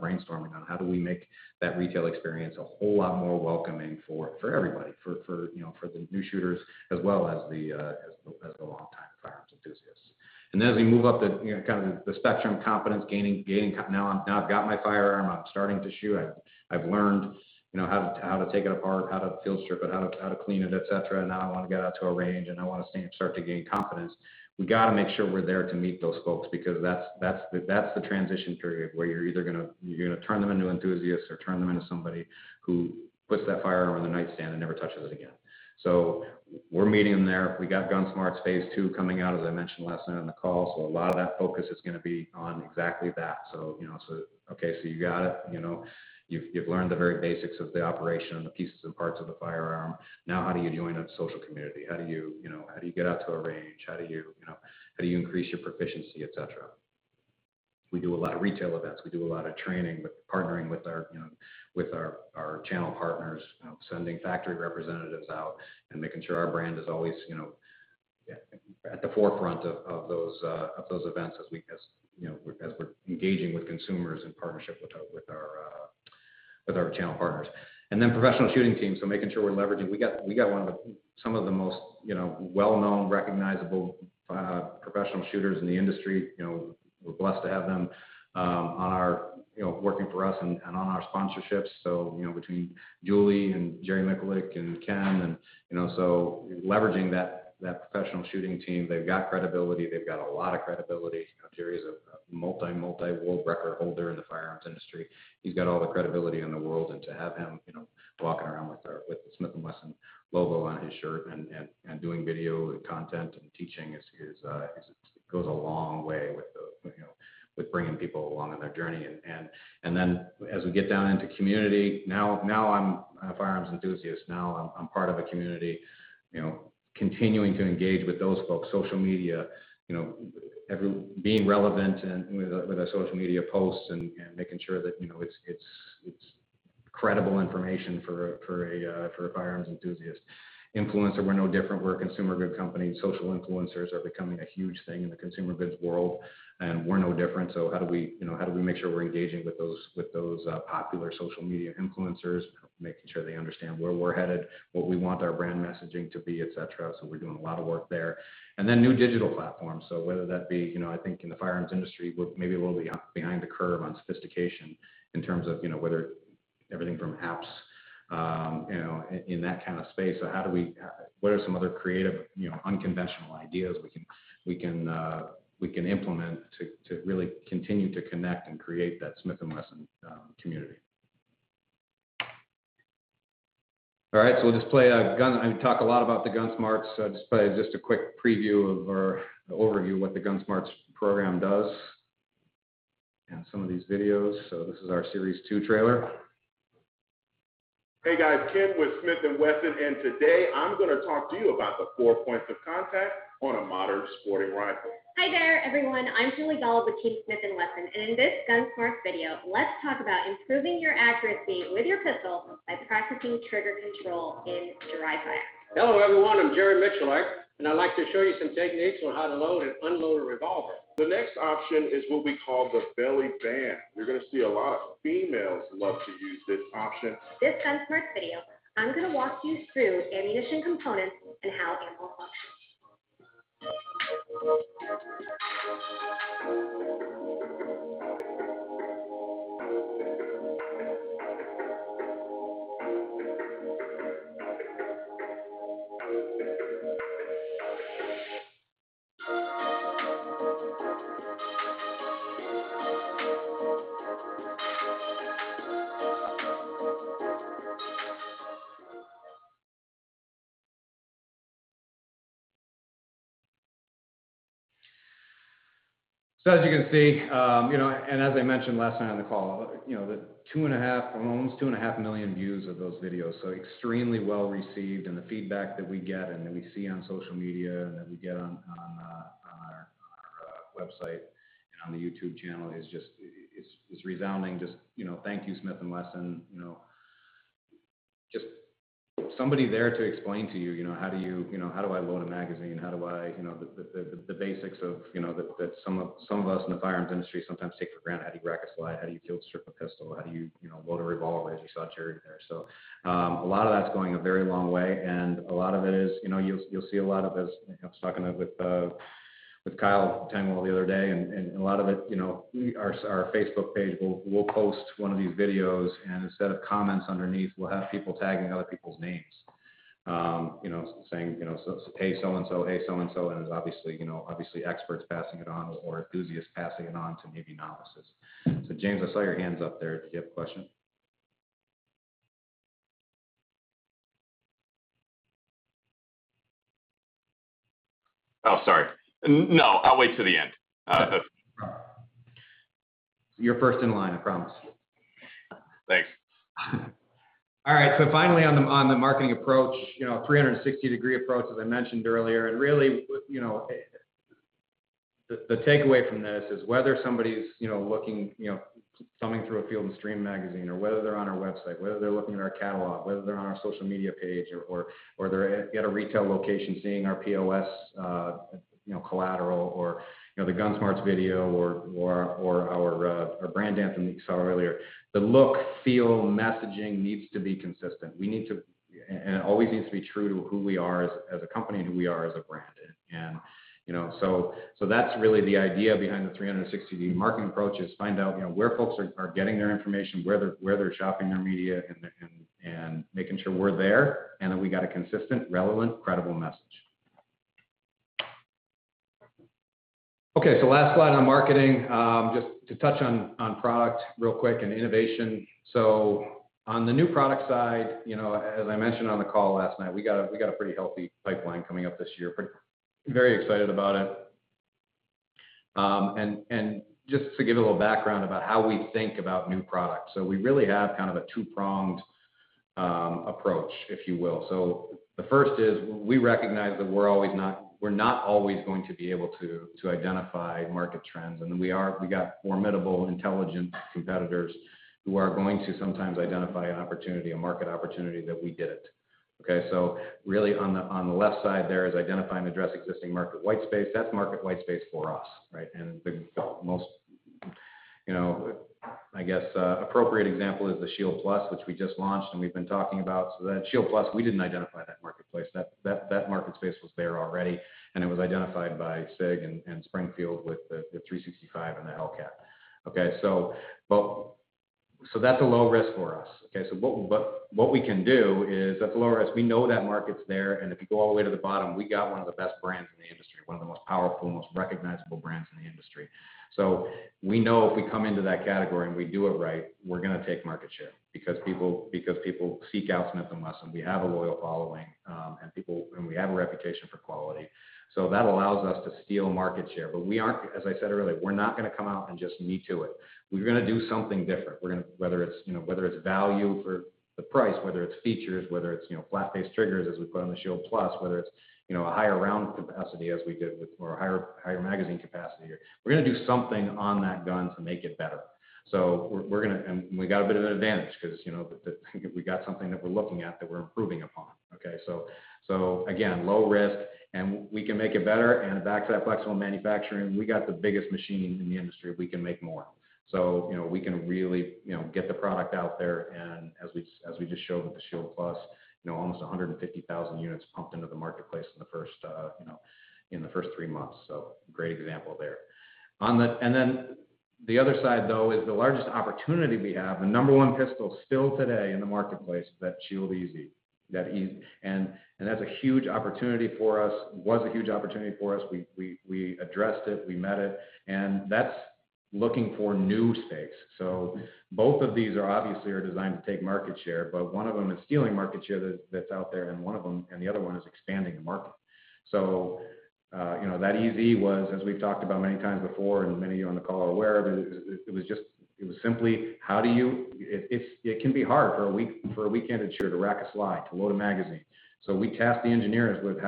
brainstorming on how do we make that retail experience a whole lot more welcoming for everybody, for the new shooters as well as the longtime firearms enthusiasts. As we move up the spectrum of confidence gaining, now I've got my firearm, I'm starting to shoot, I've learned how to take it apart, how to field strip it, how to clean it, et cetera. Now I want to get out to a range and I want to start to gain confidence. We've got to make sure we're there to meet those folks because that's the transition period where you're either going to turn them into enthusiasts or turn them into somebody who puts that firearm on the nightstand and never touches it again. We're meeting them there. We've got GUNSMARTS phase II coming out, as I mentioned last night on the call. A lot of that focus is going to be on exactly that. Okay, you've learned the very basics of the operation and the pieces and parts of the firearm. How do you join a social community? How do you get out to a range? How do you increase your proficiency, et cetera? We do a lot of retail events. We do a lot of training with partnering with our channel partners, sending factory representatives out and making sure our brand is always at the forefront of those events as we're engaging with consumers in partnership with our channel partners. Professional shooting teams, making sure we're leveraging. We got some of the most well-known, recognizable professional shooters in the industry. We're blessed to have them working for us and on our sponsorships. Between Julie and Jerry Miculek and Ken, leveraging that professional shooting team. They've got credibility. They've got a lot of credibility. Jerry's a multi world record holder in the firearms industry. He's got all the credibility in the world. To have him walking around with the Smith & Wesson logo on his shirt and doing video content and teaching goes a long way with bringing people along on their journey. As we get down into community, now I'm a firearms enthusiast. Now I'm part of a community. Continuing to engage with those folks. Social media, being relevant with our social media posts and making sure that it's credible information for a firearms enthusiast. Influencer, we're no different. We're a consumer goods company. Social influencers are becoming a huge thing in the consumer goods world, we're no different. How do we make sure we're engaging with those popular social media influencers, making sure they understand where we're headed, what we want our brand messaging to be, et cetera. We're doing a lot of work there. New digital platforms. Whether that be, I think in the firearms industry, maybe a little behind the curve on sophistication in terms of everything from apps, in that kind of space. What are some other creative, unconventional ideas we can implement to really continue to connect and create that Smith & Wesson community? All right. We talk a lot about the GUNSMARTS. I'll just play just a quick preview of our overview of what the GUNSMARTS program does and some of these videos. This is our series two trailer. Hey, guys. Ken with Smith & Wesson, and today I'm going to talk to you about the four points of contact on a Modern Sporting Rifle. Hi there, everyone. I'm Julie Golob with Smith & Wesson. In this GUNSMARTS video, let's talk about improving your accuracy with your pistol by practicing trigger control in dry fire. Hello, everyone. I'm Jerry Miculek, and I'd like to show you some techniques on how to load and unload a revolver. The next option is what we call the belly band. You're going to see a lot of females love to use this option. This GUNSMARTS video, I'm going to walk you through ammunition components and how they will function. As you can see, and as I mentioned last night on the call, almost 2.5 million views of those videos. Extremely well-received, and the feedback that we get and that we see on social media and that we get on our website and on the YouTube channel is resounding. Just, "Thank you, Smith & Wesson." Just somebody there to explain to you, how do I load a magazine? The basics that some of us in the firearms industry sometimes take for granted. How do you rack a slide? How do you field-strip a pistol? How do you load a revolver if you saw it carried there? A lot of that's going a very long way, and a lot of it is, you'll see a lot of us, I was talking with Kyle Tengwall the other day, and a lot of it, our Facebook page, we'll post one of these videos, and instead of comments underneath, we'll have people tagging other people's names, saying, "Hey, so-and-so, hey, so-and-so," and it's obviously experts passing it on, or enthusiasts passing it on to maybe novices. James, I saw your hands up there. Do you have a question? Oh, sorry. No, I'll wait till the end. You're first in line, I promise. Thanks. All right, finally, on the marketing approach, 360-degree approach, as I mentioned earlier, really, the takeaway from this is whether somebody's coming through a Field & Stream magazine, or whether they're on our website, whether they're looking at our catalog, whether they're on our social media page or they're at a retail location seeing our POS collateral or the GUNSMARTS video or our Brand Anthem you saw earlier, the look, feel, messaging needs to be consistent. We need to, and always needs to be true to who we are as a company and who we are as a brand. That's really the idea behind the 360-degree marketing approach is find out where folks are getting their information, where they're shopping our media and making sure we're there, and that we got a consistent, relevant, credible message. Okay, last slide on marketing, just to touch on product real quick and innovation. On the new product side, as I mentioned on the call last night, we got a pretty healthy pipeline coming up this year. Very excited about it. Just to give a little background about how we think about new products. We really have kind of a two-pronged approach, if you will. The first is, we recognize that we're not always going to be able to identify market trends. We got formidable, intelligent competitors who are going to sometimes identify an opportunity, a market opportunity that we didn't. Okay. Really on the left side there is identify and address existing market whitespace. That's market whitespace for us, right? The most, I guess, appropriate example is the M&P Shield Plus, which we just launched and we've been talking about. Shield Plus, we didn't identify that marketplace. That market space was there already, and it was identified by SIG and Springfield with the 365 and the Hellcat. That's a low risk for us. What we can do is at low risk, we know that market's there, and if you go all the way to the bottom, we got one of the best brands in the industry, one of the most powerful, most recognizable brands in the industry. We know if we come into that category and we do it right, we're going to take market share because people seek out Smith & Wesson. We have a loyal following, and we have a reputation for quality. That allows us to steal market share. We aren't, as I said earlier, we're not going to come out and just me-too it. We're going to do something different, whether it's value for the price, whether it's features, whether it's flat-faced triggers, as we put on the Shield Plus, whether it's a higher round capacity as we did with more higher magazine capacity. We're going to do something on that gun to make it better. We got a bit of an advantage because we got something that we're looking at, that we're improving upon. Okay? Again, low risk and we can make it better. Back to that flexible manufacturing, we got the biggest machine in the industry. We can make more. We can really get the product out there. As we just showed with the Shield Plus, almost 150,000 units pumped into the marketplace in the first three months. Great example there. Then the other side, though, is the largest opportunity we have. The number one pistol still today in the marketplace is that Shield EZ. That's a huge opportunity for us, was a huge opportunity for us. We addressed it, we met it, and that's looking for new space. Both of these are obviously designed to take market share, but one of them is stealing market share that's out there, and the other one is expanding the market. That EZ was, as we've talked about many times before, and many on the call are aware of it was just simply, it can be hard for a weekend shooter to rack a slide, to load a magazine. We tasked the engineers with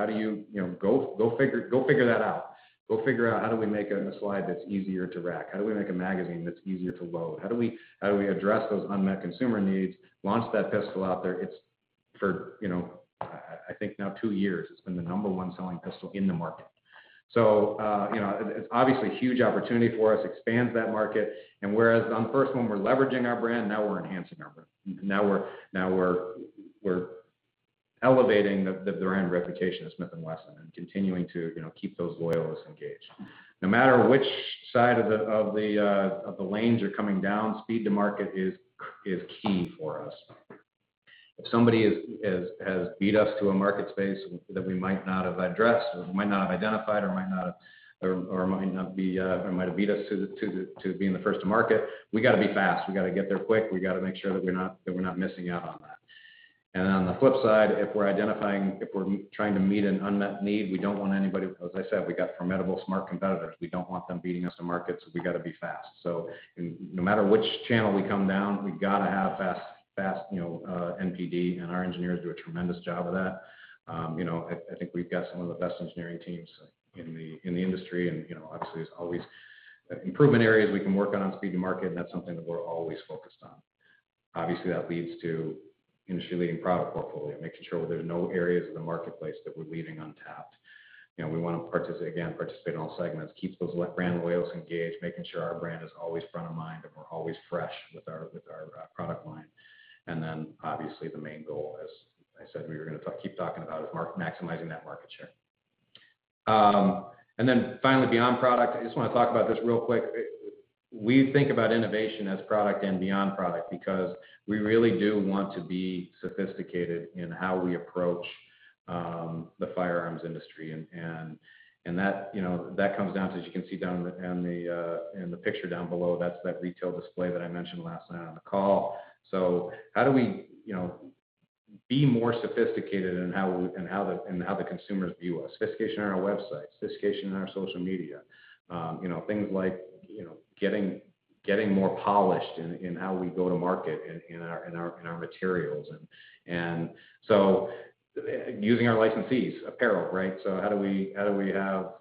go figure that out. Go figure out how do we make it a slide that's easier to rack? How do we make a magazine that's easier to load? How do we address those unmet consumer needs, launch that pistol out there? It's, for I think now two years, it's been the number one selling pistol in the market. It's obviously a huge opportunity for us, expands that market. Whereas on the first one, we're leveraging our brand, now we're enhancing our brand. Now we're elevating the brand reputation of Smith & Wesson and continuing to keep those loyalists engaged. No matter which side of the lanes you're coming down, speed to market is key for us. If somebody has beat us to a market space that we might not have addressed or might not identified or might have beat us to being the first to market, we got to be fast. We got to get there quick. We got to make sure that we're not missing out on that. On the flip side, if we're trying to meet an unmet need, we don't want anybody, as I said, we got formidable, smart competitors. We don't want them beating us to market, we got to be fast. No matter which channel we come down, we got to have fast NPD, and our engineers do a tremendous job of that. I think we've got some of the best engineering teams in the industry, and obviously there's always improving areas we can work on speed to market, and that's something we're always focused on. Obviously, that leads to industry-leading product portfolio, making sure there are no areas of the marketplace that we're leaving untapped. We want to participate, again, participate on all segments, keep those brand loyals engaged, making sure our brand is always front of mind, and we're always fresh with our product line. Obviously the main goal, as I said, we're going to keep talking about, is maximizing that market share. Finally, beyond product, I just want to talk about this real quick. We think about innovation as product and beyond product because we really do want to be sophisticated in how we approach the firearms industry. That comes down to, as you can see in the picture down below, that's that retail display that I mentioned last night on the call. How do we be more sophisticated in how the consumers view us? Sophistication on our website, sophistication on our social media. Things like getting more polished in how we go to market in our materials, using our license fees, apparel. How do we have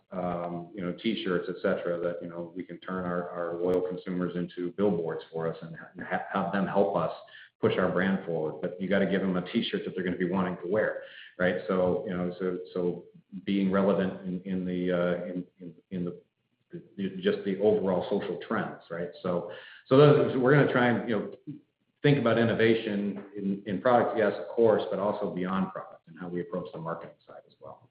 T-shirts, et cetera, that we can turn our loyal consumers into billboards for us and have them help us push our brand forward. You got to give them a T-shirt that they're going to be wanting to wear. Being relevant in just the overall social trends. We're going to try and think about innovation in product, yes, of course, but also beyond product and how we approach the marketing side as well.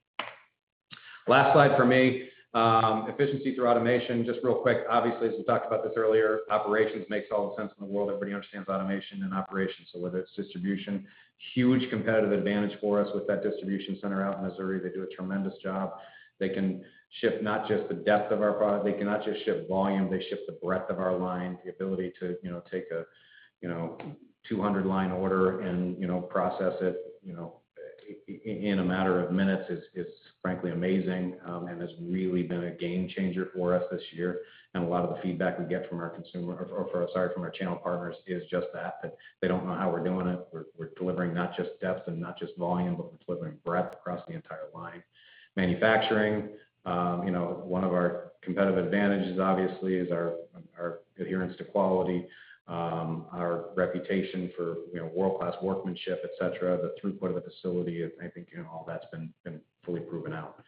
Last slide for me, efficiency through automation. Just real quick, obviously, as we talked about this earlier, operations makes all the sense in the world. Everybody understands automation and operations. Whether it's distribution, huge competitive advantage for us with that distribution center out in Missouri. They do a tremendous job. They cannot just ship volume, they ship the breadth of our line. The ability to take a 200-line order and process it in a matter of minutes is frankly amazing. Has really been a game changer for us this year. A lot of the feedback we get from our channel partners is just that they don't know how we're doing it. We're delivering not just depth and not just volume, but we're delivering breadth across the entire line. Manufacturing, one of our competitive advantages obviously is our adherence to quality, our reputation for world-class workmanship, et cetera. The throughput of the facility, I think all that's been fully proven out.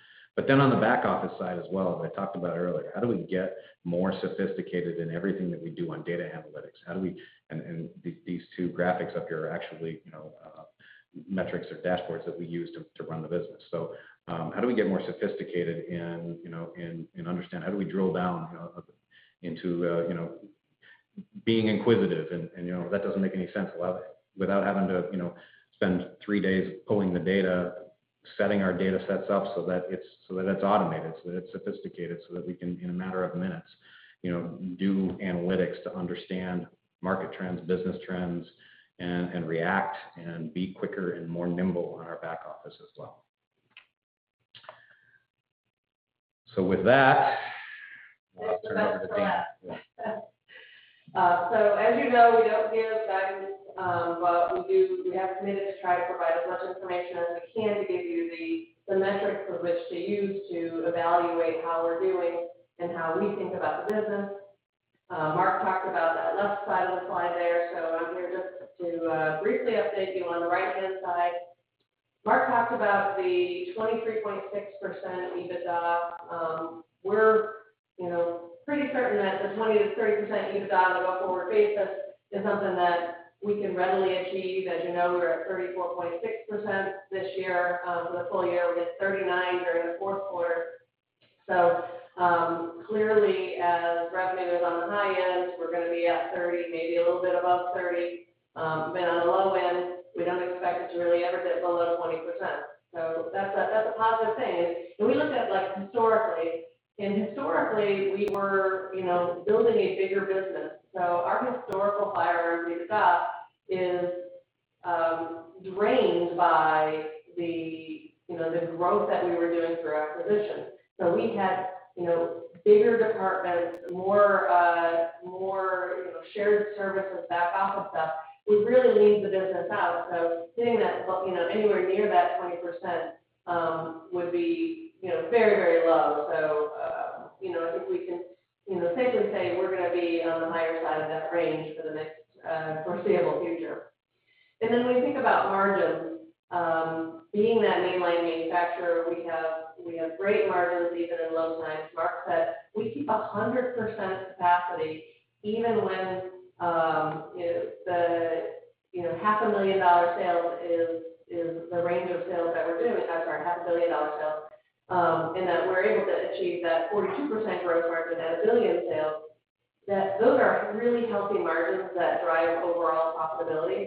On the back office side as well, as I talked about earlier, how do we get more sophisticated in everything that we do on data analytics? These two graphics up here are actually metrics or dashboards that we use to run the business. How do we get more sophisticated and understand? How do we drill down into being inquisitive? That doesn't make any sense without having to spend three days pulling the data, setting our data sets up so that it's automated, so that it's sophisticated, so that we can, in a matter of minutes, do analytics to understand market trends, business trends, and react and be quicker and more nimble in our back office as well. With that, I'll turn it over to Deana. As you know, we don't give guidance, but we do have commitments to try to provide as much information as we can to give you the metrics of which to use to evaluate how we're doing and how we think about the business. Mark talked about that left side of the slide there. I'm here just to briefly update you on the right-hand side. Mark talked about the 23.6% EBITDA. We're pretty certain that the 23% EBITDA on a go-forward basis is something that we can readily achieve. As you know, we were at 34.6% this year. The full year will be at 39% during the fourth quarter. Clearly as revenue is on the high end, we're going to be at 30%, maybe a little bit above 30%. On the low end, we don't expect it to really ever dip below 20%. That's a positive thing. We looked at historically, and historically, we were building a bigger business. Our historical higher EBITDA is drained by the growth that we were doing through acquisition. We had bigger departments, more shared services, back office stuff. We really leaned the business out. Hitting anywhere near that 20% would be very low. I think we can safely say we're going to be on the higher side of that range for the foreseeable future. We think about margins. Being that mainline manufacturer, we have great margins even in low times. Mark said we keep 100% capacity even when the half a million dollar sale is the range of sales that we're doing, half a million dollar sale, in that we're able to achieve that 42% gross margin at $1 billion in sales, those are really healthy margins that drive overall profitability.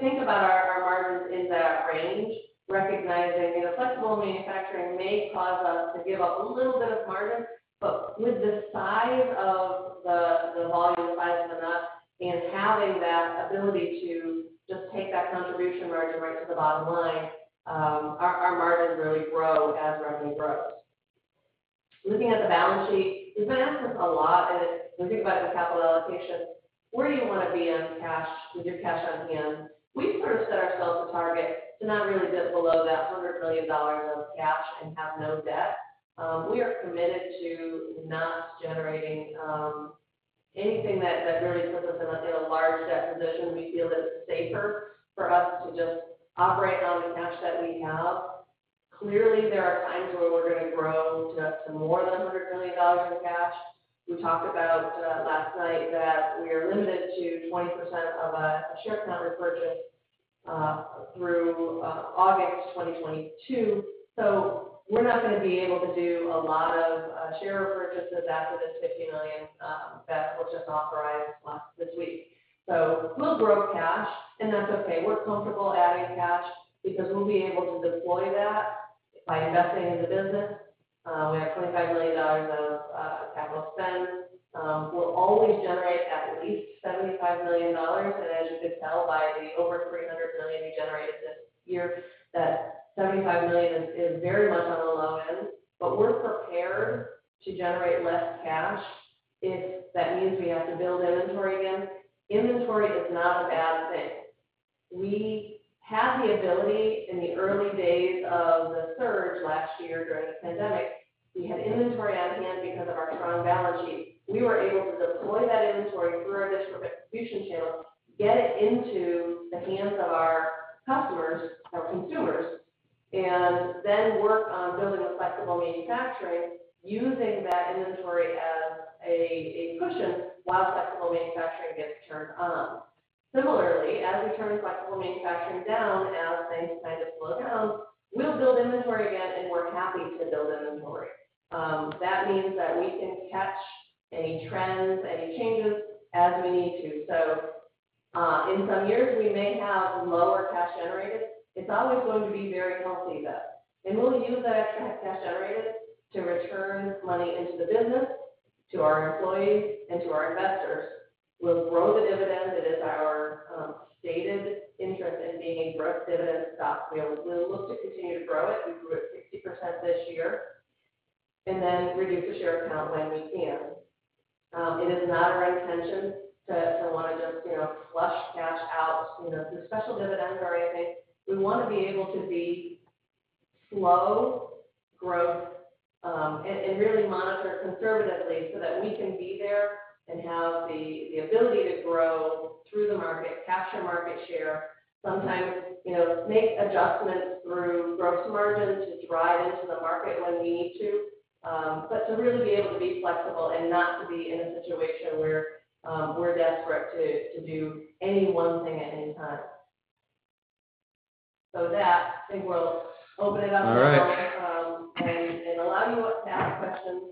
Think about our margins in that range, recognizing flexible manufacturing may cause us to give up a little bit of margin, but with the size of the volume sides of the nuts and having that ability to just take that contribution margin right to the bottom line, our margins really grow as revenue grows. Looking at the balance sheet, this comes up a lot, and if you think about the capital allocation, where do you want to be on cash with your cash on hand? We sort of set ourselves a target to not really dip below that $100 million of cash and have no debt. We are committed to not generating anything that really puts us in a large debt position. We feel it's safer for us to just operate on the cash that we have. Clearly, there are times where we're going to grow to up to more than $100 million in cash. We talked about last night that we are limited to 20% of a share count purchase through August 2022. We're not going to be able to do a lot of share repurchases after this $50 million that we'll just authorize once this week. We'll grow cash, and that's okay. We're comfortable adding cash because we'll be able to deploy that by investing in the business. We have $25 million of capital spend. We'll always generate at least $75 million. As you can tell by the over $300 million we generated this year, that $75 million is very much on the low end. We're prepared to generate less cash if that means we have to build inventory again. Inventory is not a bad thing. We had the ability in the early days of the surge last year during the pandemic. We had inventory on hand because of our strong balance sheet. We were able to deploy that inventory through our distribution channel, get it into the hands of our customers, our consumers, and then work on building flexible manufacturing, using that inventory as a cushion while flexible manufacturing gets turned on. As we turn flexible manufacturing down, as things kind of slow down, we'll build inventory again, and we're happy to build inventory. That means that we can catch any trends, any changes as we need to. In some years, we may have lower cash generated. It's always going to be very healthy, though. We'll use that cash generated to return money into the business, to our employees, and to our investors. We'll grow the dividend. It is our stated interest in being growth dividend stock. We look to continue to grow it. We grew it 50% this year. Then reduce the share count when we can. It is not our intention to want to just flush cash out through special dividends or anything. We want to be able to be slow growth and really monitor conservatively so that we can be there and have the ability to grow through the market, capture market share, sometimes make adjustments through gross margin to drive into the market when we need to. To really be able to be flexible and not to be in a situation where we're desperate to do any one thing at any time. With that, I think we'll open it up more. All right. Allow you to ask questions.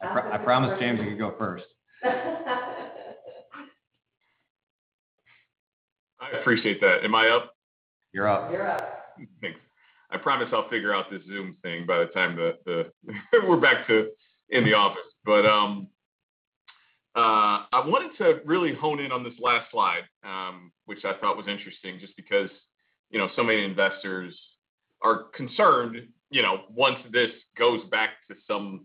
I promised James you'd go first. I appreciate that. Am I up? You're up. Okay. I promise I'll figure out this Zoom thing by the time that we're back in the office. I wanted to really hone in on this last slide, which I thought was interesting just because so many investors are concerned once this goes back to some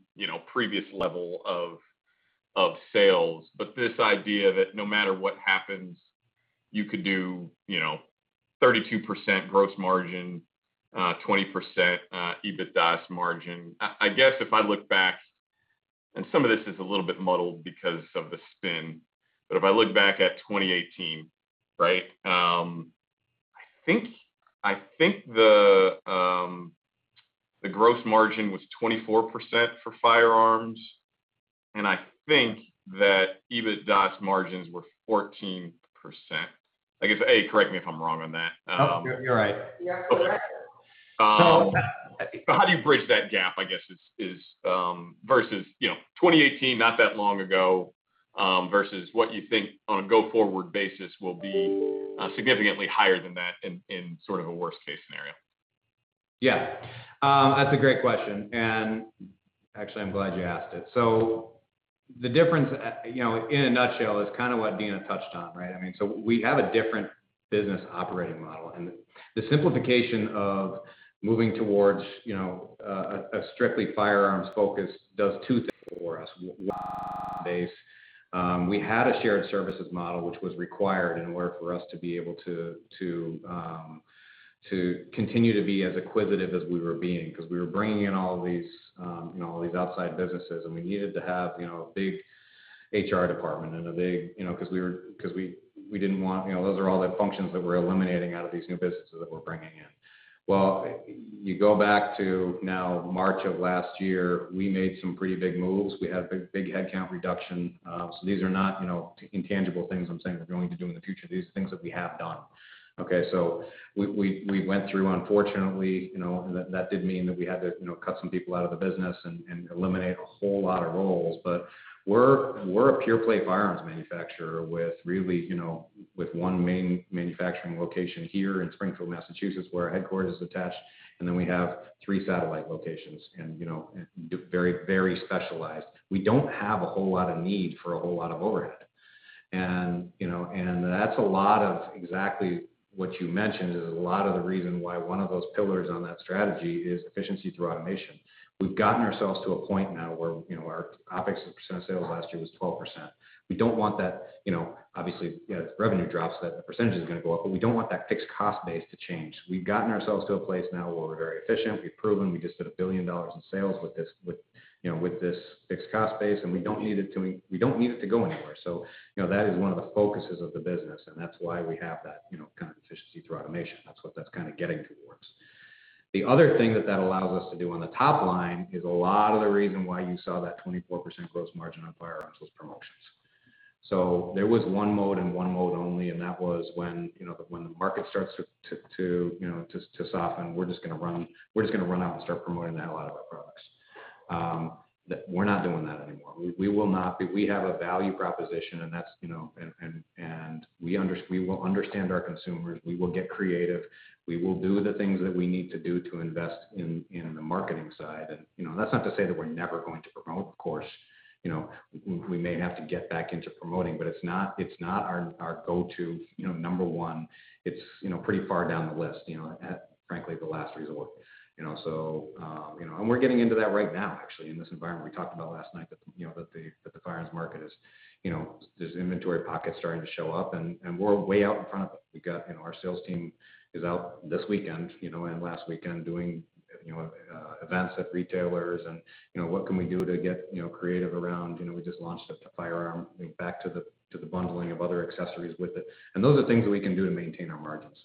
previous level of sales. This idea that no matter what happens, you could do 32% gross margin, 20% EBITDA margin. I guess if I look back, and some of this is a little bit muddled because of the spin, but if I look back at 2018, I think the gross margin was 24% for firearms, and I think that EBITDA's margins were 14%. I guess, A, correct me if I'm wrong on that. You're right. Yeah, correct. How do you bridge that gap, I guess, versus 2018 not that long ago versus what you think on a go-forward basis will be significantly higher than that in sort of a worst-case scenario? Yeah. That's a great question, and actually I'm glad you asked it. The difference in a nutshell is kind of what Deana touched on, right? I mean, we have a different business operating model, and the simplification of moving towards a strictly firearms focus does two things for us. One, cost base. We had a shared services model, which was required in order for us to be able to continue to be as acquisitive as we were being because we were bringing in all these outside businesses, and we needed to have a big HR department and a big because those are all the functions that we're eliminating out of these new businesses that we're bringing in. Well, you go back to now March of last year, we made some pretty big moves. We had big headcount reduction. These are not intangible things I'm saying we're going to do in the future. These are things that we have done. We went through, unfortunately, and that did mean that we had to cut some people out of the business and eliminate a whole lot of roles. We're a pure-play firearms manufacturer with one main manufacturing location here in Springfield, Massachusetts, where our headquarters is attached. We have three satellite locations and very specialized. We don't have a whole lot of need for a whole lot of overhead. That's a lot of exactly what you mentioned is a lot of the reason why one of those pillars on that strategy is efficiency through automation. We've gotten ourselves to a point now where our OPEX as a percent of sales last year was 12%. We don't want that. Obviously, as revenue drops, that percentage is going to go up, but we don't want that fixed cost base to change. We've gotten ourselves to a place now where we're very efficient. We've proven we just did $1 billion in sales with this fixed cost base, and we don't need it to go anywhere. That is one of the focuses of the business, and that's why we have that kind of efficiency through automation. That's what that's kind of getting to for us. The other thing that that allows us to do on the top line is a lot of the reason why you saw that 24% gross margin on firearms was promotions. There was one mode and one mode only, and that was when the market starts to soften, we're just going to run out and start promoting the hell out of our products. We're not doing that anymore. We will not be. We have a value proposition, and we will understand our consumers. We will get creative. We will do the things that we need to do to invest in the marketing side. That's not to say that we're never going to promote. Of course, we may have to get back into promoting, but it's not our go-to number one. It's pretty far down the list, frankly, the last resort. We're getting into that right now, actually, in this environment. We talked about it last night that the firearms market, there's inventory pockets starting to show up, and we're way out in front of it. Our sales team is out this weekend and last weekend doing events at retailers and what can we do to get creative around. We just launched the firearm back to the bundling of other accessories with it. Those are things we can do to maintain our margins.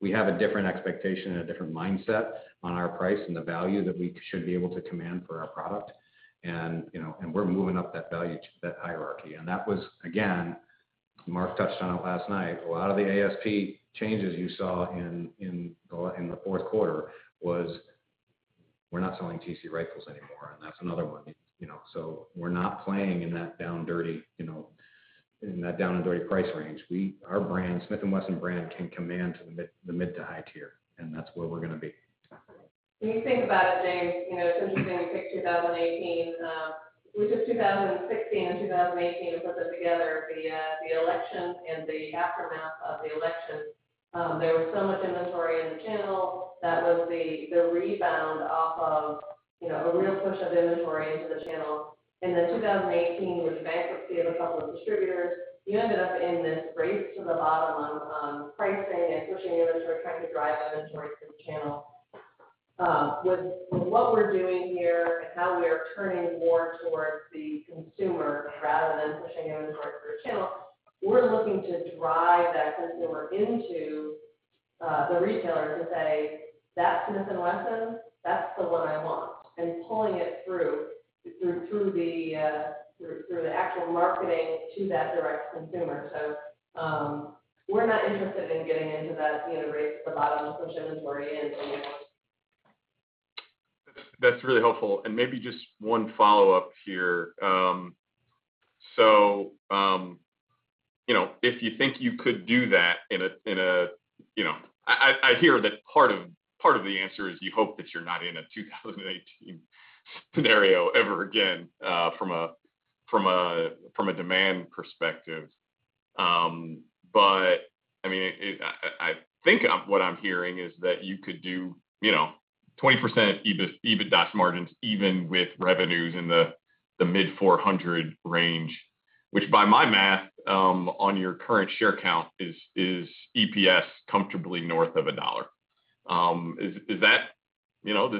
We have a different expectation and a different mindset on our price and the value that we should be able to command for our product. We're moving up that value, that hierarchy. That was, again, Mark touched on it last night. A lot of the ASP changes you saw in the fourth quarter was we're not selling T/C rifles anymore, and that's another one. We're not playing in that down and dirty price range. Our brand, Smith & Wesson brand, can command the mid to high tier, and that's where we're going to be. When you think about it, James, if we took 2016 and 2018 and put them together, the election and the aftermath of the election, there was so much inventory in the channel. That was the rebound off of a real push of inventory into the channel. Then 2018 was the bankruptcy of a couple distributors. You ended up in this race to the bottom on pricing and pushing inventory, trying to drive inventory through the channel. With what we're doing here and how we are turning more towards the consumer rather than pushing inventory through the channel, we're looking to drive that consumer into the retailer to say, "That Smith & Wesson, that's the one I want," and pulling it through the actual marketing to that direct consumer. We're not interested in getting into that race to the bottom, pushing inventory in anymore. That's really helpful. Maybe just one follow-up here. If you think you could do that in. I hear that part of the answer is you hope that you're not in a 2018 scenario ever again from a demand perspective. I think what I'm hearing is that you could do 20% EBITDA margins even with revenues in the mid 400 range. Which by my math, on your current share count is EPS comfortably north of $1. Does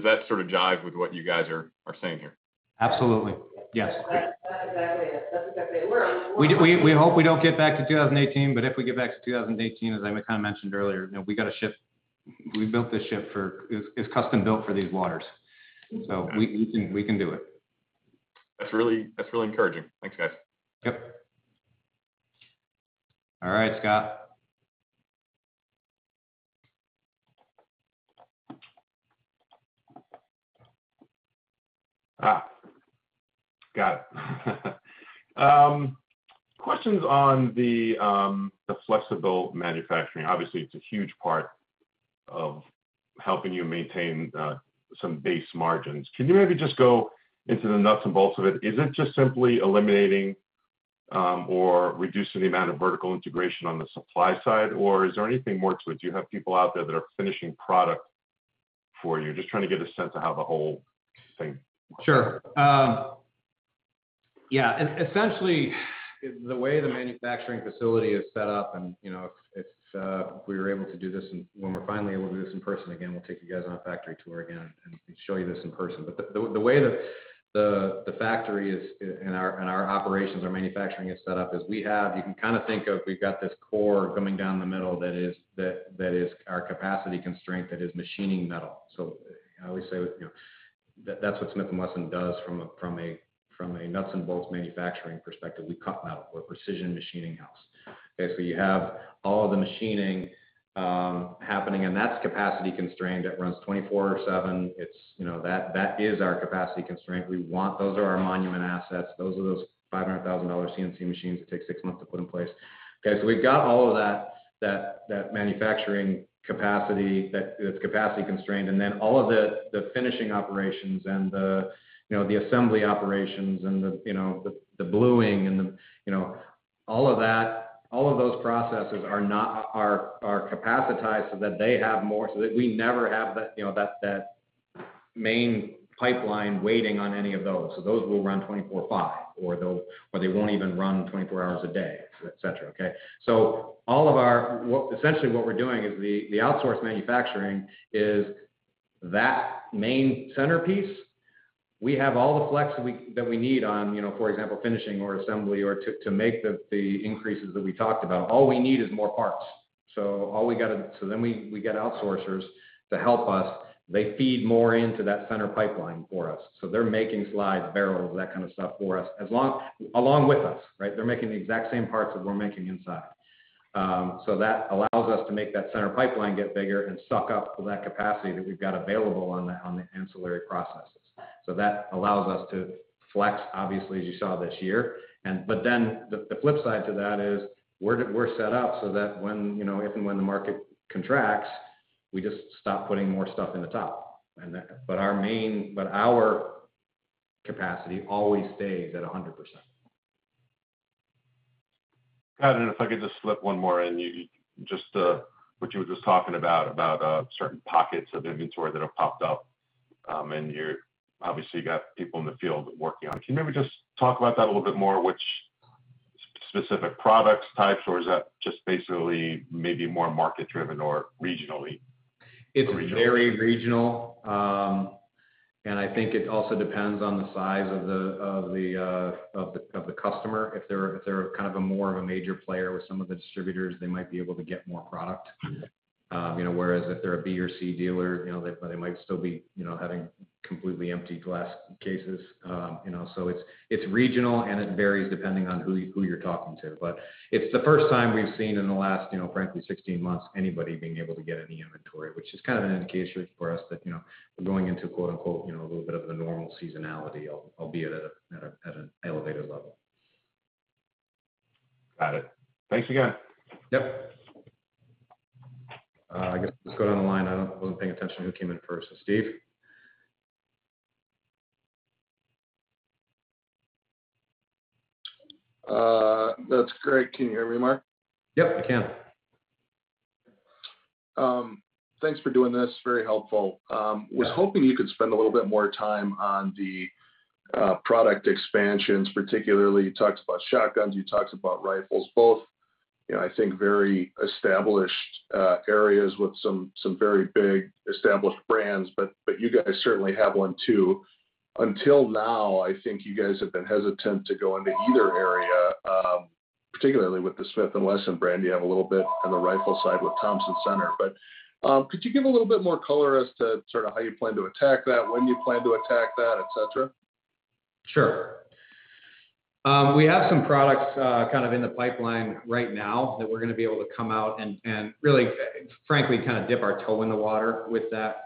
that sort of jive with what you guys are saying here? Absolutely. Yes. Great. Exactly. That's exactly it. We hope we don't get back to 2018, but if we get back to 2018, as I mentioned earlier, we've got a ship. We built this ship. It's custom built for these waters. We think we can do it. That's really encouraging. Thanks, guys. Yep. All right, Scott. Scott. Questions on the flexible manufacturing. Obviously, it is a huge part of helping you maintain some base margins. Can you maybe just go into the nuts and bolts of it? Is it just simply eliminating or reducing the amount of vertical integration on the supply side, or is there anything more to it? Do you have people out there that are finishing product for you? Just trying to get a sense of how the whole thing works. Sure. Yeah, essentially, the way the manufacturing facility is set up, and when we are finally able to do this in person again, we will take you guys on a factory tour again and show you this in person. The way that the factory and our operations, our manufacturing is set up is you can think of we have got this core going down the middle that is our capacity constraint that is machining metal. We say that's what Smith & Wesson does from a nuts and bolts manufacturing perspective. We cut metal. We're a precision machining house. Okay. You have all the machining happening, and that's capacity constrained. It runs 24/7. That is our capacity constraint. Those are our monument assets. Those are those $500,000 CNC machines that take six months to put in place. Okay. We've got all of that manufacturing capacity, that capacity constraint, and then all of the finishing operations and the assembly operations and the bluing and all of those processes are capacitized so that we never have that main pipeline waiting on any of those. Those will run 24/5, or they won't even run 24 hours a day, et cetera. Okay. Essentially what we're doing is the outsource manufacturing is that main centerpiece. We have all the flex that we need on, for example, finishing or assembly, or to make the increases that we talked about. All we need is more parts. Then we get outsourcers to help us. They feed more into that center pipeline for us. They're making slides, barrels, that kind of stuff for us, along with us. They're making the exact same parts as we're making inside. That allows us to make that center pipeline get bigger and suck up all that capacity that we've got available on the ancillary processes. That allows us to flex, obviously, as you saw this year. The flip side to that is we're set up so that when the market contracts, we just stop putting more stuff in the top. Our capacity always stays at 100%. Got it. If I could just slip one more in. Just what you were just talking about certain pockets of inventory that have popped up. You obviously got people in the field working on it. Can you maybe just talk about that a little bit more, which specific product types, or is that just basically maybe more market-driven or regionally? It's very regional. I think it also depends on the size of the customer. If they're more of a major player with some of the distributors, they might be able to get more product. Whereas if they're a B or C dealer, they might still be having completely empty glass cases. It's regional, and it varies depending on who you're talking to. It's the first time we've seen in the last, frankly, 16 months, anybody being able to get any inventory, which is an indication for us that we're going into, quote unquote, "a little bit of a normal seasonality," albeit at an elevated level. Got it. Thank you again. Yep. I guess let's go down the line. I wasn't paying attention who came in first. Steve? That's great. Can you hear me, Mark? Yep, I can. Thanks for doing this. Very helpful. Yeah. Was hoping you could spend a little bit more time on the product expansions, particularly you talked about shotguns, you talked about rifles, both I think very established areas with some very big established brands, but you guys certainly have one too. Until now, I think you guys have been hesitant to go into either area, particularly with the Smith & Wesson brand. You have a little bit on the rifle side with Thompson/Center. Could you give a little bit more color as to how you plan to attack that, when you plan to attack that, et cetera? Sure. We have some products in the pipeline right now that we're going to be able to come out and really, frankly, dip our toe in the water with that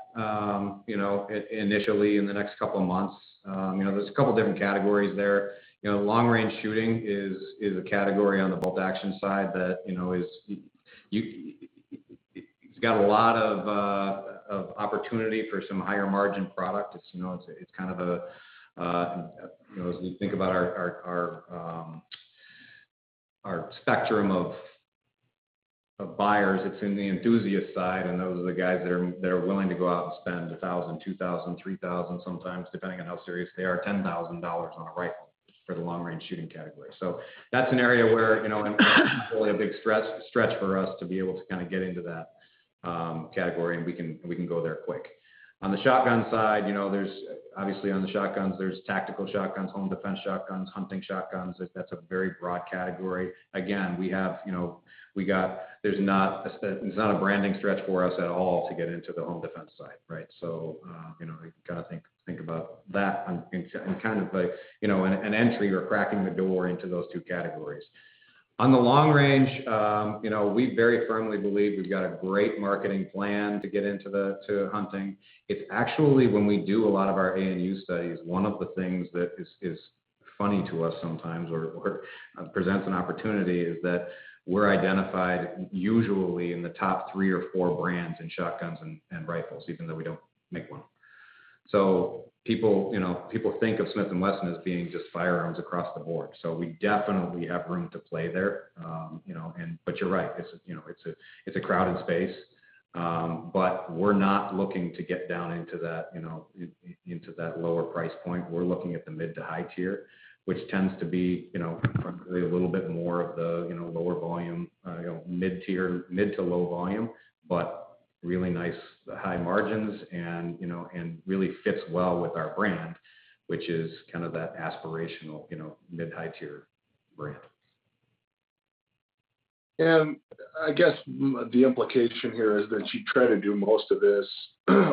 initially in the next couple of months. There's a couple of different categories there. Long-range shooting is a category on the bolt action side that has got a lot of opportunity for some higher margin product. As we think about our spectrum of buyers, it's in the enthusiast side. Those are the guys that are willing to go out and spend $1,000, $2,000, $3,000 sometimes, depending on how serious they are, $10,000 on a rifle just for the long-range shooting category. That's an area where it's really a big stretch for us to be able to get into that category, and we can go there quick. On the shotgun side, obviously on the shotguns, there's tactical shotguns, home defense shotguns, hunting shotguns. That's a very broad category. Again, it's not a branding stretch for us at all to get into the home defense side. You've got to think about that and an entry or cracking the door into those two categories. On the long range, we very firmly believe we've got a great marketing plan to get into the hunting. It's actually when we do a lot of our A&U studies, one of the things that is funny to us sometimes or presents an opportunity is that we're identified usually in the top three or four brands in shotguns and rifles, even though we don't make them. People think of Smith & Wesson as being just firearms across the board. We definitely have room to play there. You're right, it's a crowded space. We're not looking to get down into that lower price point. We're looking at the mid to high tier, which tends to be a little bit more of the lower volume, mid tier, mid to low volume, but really nice high margins and really fits well with our brand, which is that aspirational mid high tier brand. I guess the implication here is that you try to do most of this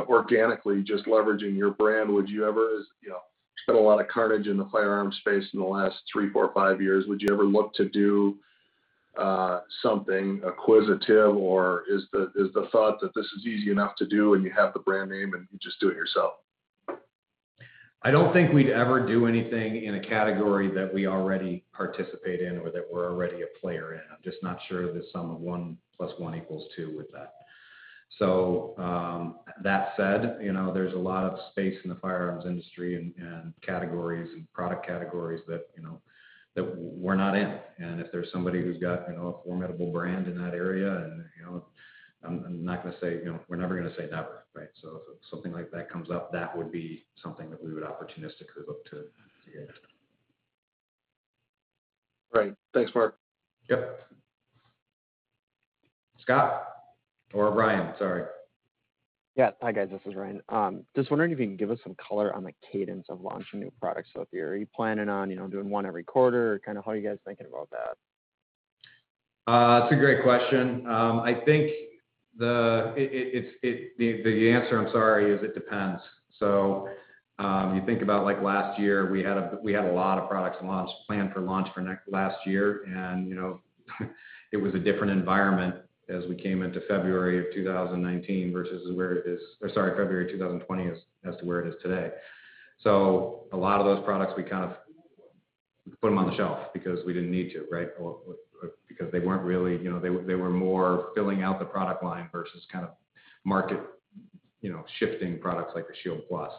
organically, just leveraging your brand. There's been a lot of carnage in the firearms space in the last three, four, five years. Would you ever look to do something acquisitive, or is the thought that this is easy enough to do and you have the brand name and you just do it yourself? I don't think we'd ever do anything in a category that we already participate in or that we're already a player in. I'm just not sure the sum of one plus one equals two with that. That said, there's a lot of space in the firearms industry and product categories that we're not in, and if there's somebody who's got a formidable brand in that area, we're never going to say never. If something like that comes up, that would be something that we would opportunistically look to engage. Right. Thanks, Mark. Yep. Scott or Brian, sorry. Yeah. Hi guys, this is Brian. Just wondering if you can give us some color on the cadence of launching new products out there. Are you planning on doing one every quarter? How are you guys thinking about that? That's a great question. I think the answer, I'm sorry, is it depends. You think about last year, we had a lot of products planned for launch for last year, and it was a different environment as we came into February of 2020 as to where it is today. A lot of those products we kind of put them on the shelf because we didn't need to, right? Because they were more filling out the product line versus kind of market-shifting products like the Shield Plus.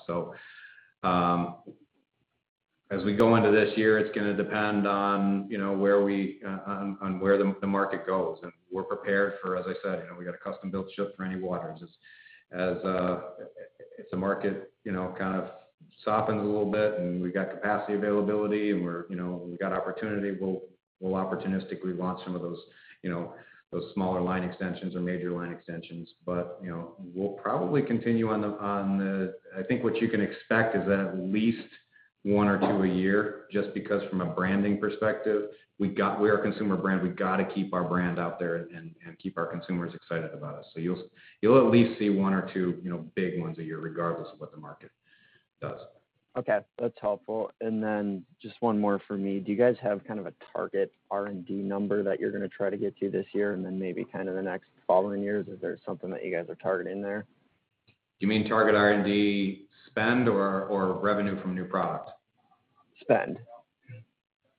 As we go into this year, it's going to depend on where the market goes. We're prepared for, as I said, we got a custom-built ship for any waters. As the market kind of softens a little bit and we got capacity availability and we've got opportunity, we'll opportunistically launch some of those smaller line extensions or major line extensions. We'll probably continue. I think what you can expect is at least one or two a year, just because from a branding perspective, we are a consumer brand, we got to keep our brand out there and keep our consumers excited about us. You'll at least see one or two big ones a year regardless of what the market does. Okay. That's helpful. Just one more from me. Do you guys have kind of a target R&D number that you're going to try to get to this year and then maybe kind of the next following years? Is there something that you guys are targeting there? You mean target R&D spend or revenue from new products? Spend.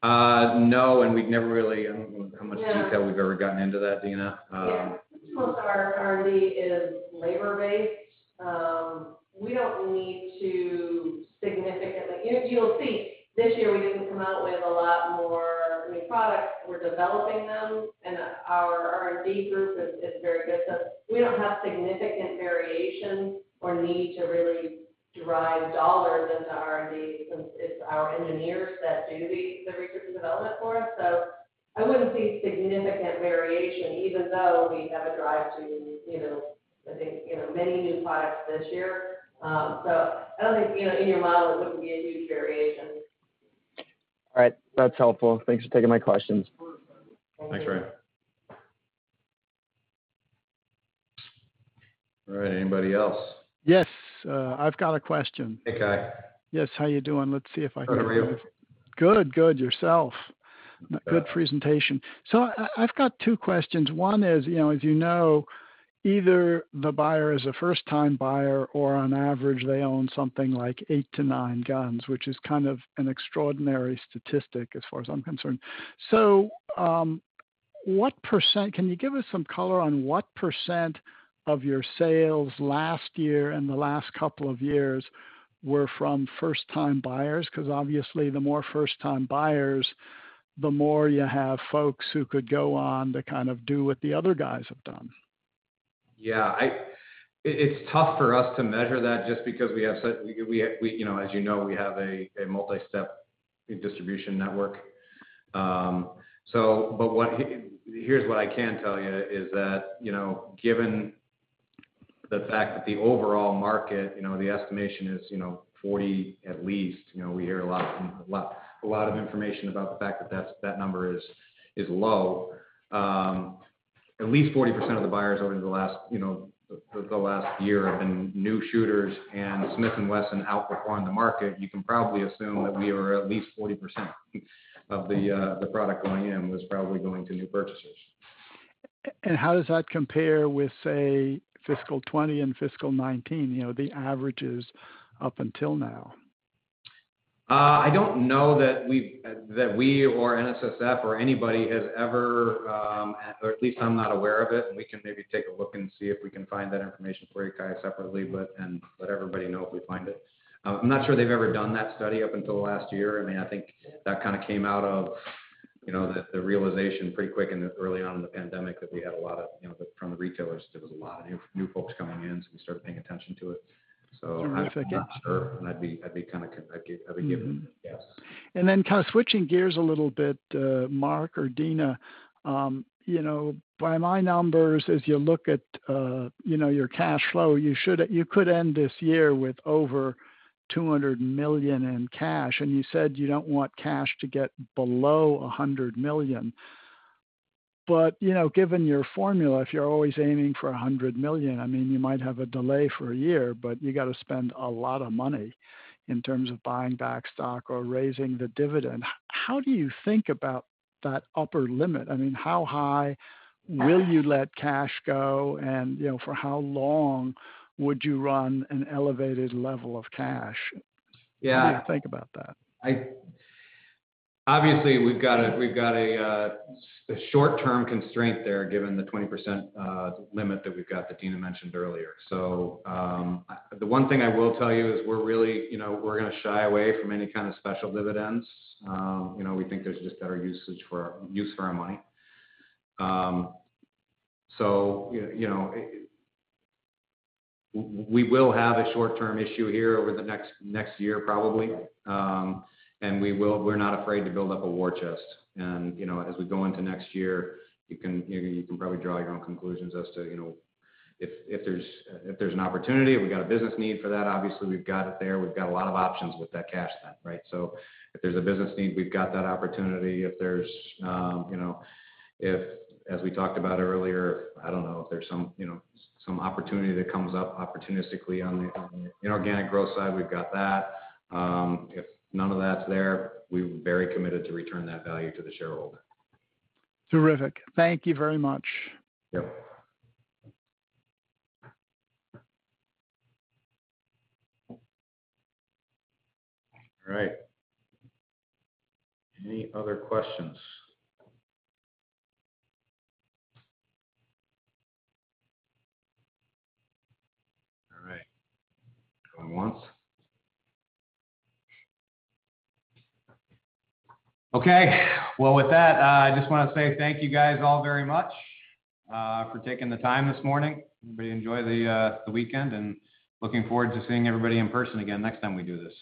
No, we've never really I don't know how much detail we've ever gotten into that, Deana. Yeah. Most of our R&D is labor-based. As you'll see, this year we can come out, we have a lot more new products. We're developing them. Our R&D group is very good. We don't have significant variations or need to really drive dollars into R&D since it's our engineers that do the research and development for us. I wouldn't see significant variation even though we have a drive to many new products this year. I think year over model there wouldn't be a huge variation. All right. That's helpful. Thanks for taking my questions. Thanks, Brian. All right. Anybody else? Yes. I've got a question. Hey, Cai. Yes. How you doing? Let's see if I can- How are you? Good, yourself? Good presentation. I've got two questions. one is, as you know, either the buyer is a first-time buyer or on average they own something like eight to nine guns, which is kind of an extraordinary statistic as far as I'm concerned. Can you give us some color on what percent of your sales last year and the last couple of years were from first-time buyers? Obviously the more first-time buyers, the more you have folks who could go on to kind of do what the other guys have done. Yeah. It's tough for us to measure that just because as you know, we have a multi-step distribution network. Here's what I can tell you is that, given the fact that the overall market, the estimation is 40% at least. We hear a lot of information about the fact that number is low. At least 40% of the buyers over the last year have been new shooters and Smith & Wesson outperforming the market, you can probably assume that we are at least 40% of the product going in was probably going to new purchases. How does that compare with, say, fiscal 2020 and fiscal 2019? The averages up until now. I don't know that we or NSSF or anybody has ever or at least I'm not aware of it. We can maybe take a look and see if we can find that information for you guys separately. Let everybody know if we find it. I'm not sure they've ever done that study up until last year. I think that kind of came out of the realization pretty quick and early on in the pandemic that from the retailers, there was a lot of new folks coming in, so we started paying attention to it. I'm not sure. I'd be kind of curious. I'd give it a yes. Switching gears a little bit, Mark or Deana, by my numbers, as you look at your cash flow, you could end this year with over $200 million in cash, and you said you don't want cash to get below $100 million. Given your formula, if you're always aiming for $100 million, you might have a delay for one year, but you got to spend a lot of money in terms of buying back stock or raising the dividend. How do you think about that upper limit? How high will you let cash go, and for how long would you run an elevated level of cash? Yeah. What do you think about that? Obviously, we've got a short-term constraint there, given the 20% limit that we've got that Deana mentioned earlier. The one thing I will tell you is we're going to shy away from any kind of special dividends. We think there's just better use for our money. We will have a short-term issue here over the next year probably. We're not afraid to build up a war chest. As we go into next year, you can probably draw your own conclusions as to if there's an opportunity, we got a business need for that, obviously, we've got it there. We've got a lot of options with that cash then, right? If there's a business need, we've got that opportunity. If, as we talked about earlier, I don't know, if there's some opportunity that comes up opportunistically on the inorganic growth side, we've got that. If none of that's there, we're very committed to return that value to the shareholder. Terrific. Thank you very much. Yep. All right. Any other questions? All right. No one? Okay. Well, with that, I just want to say thank you guys all very much for taking the time this morning. Enjoy the weekend, and looking forward to seeing everybody in person again next time we do this.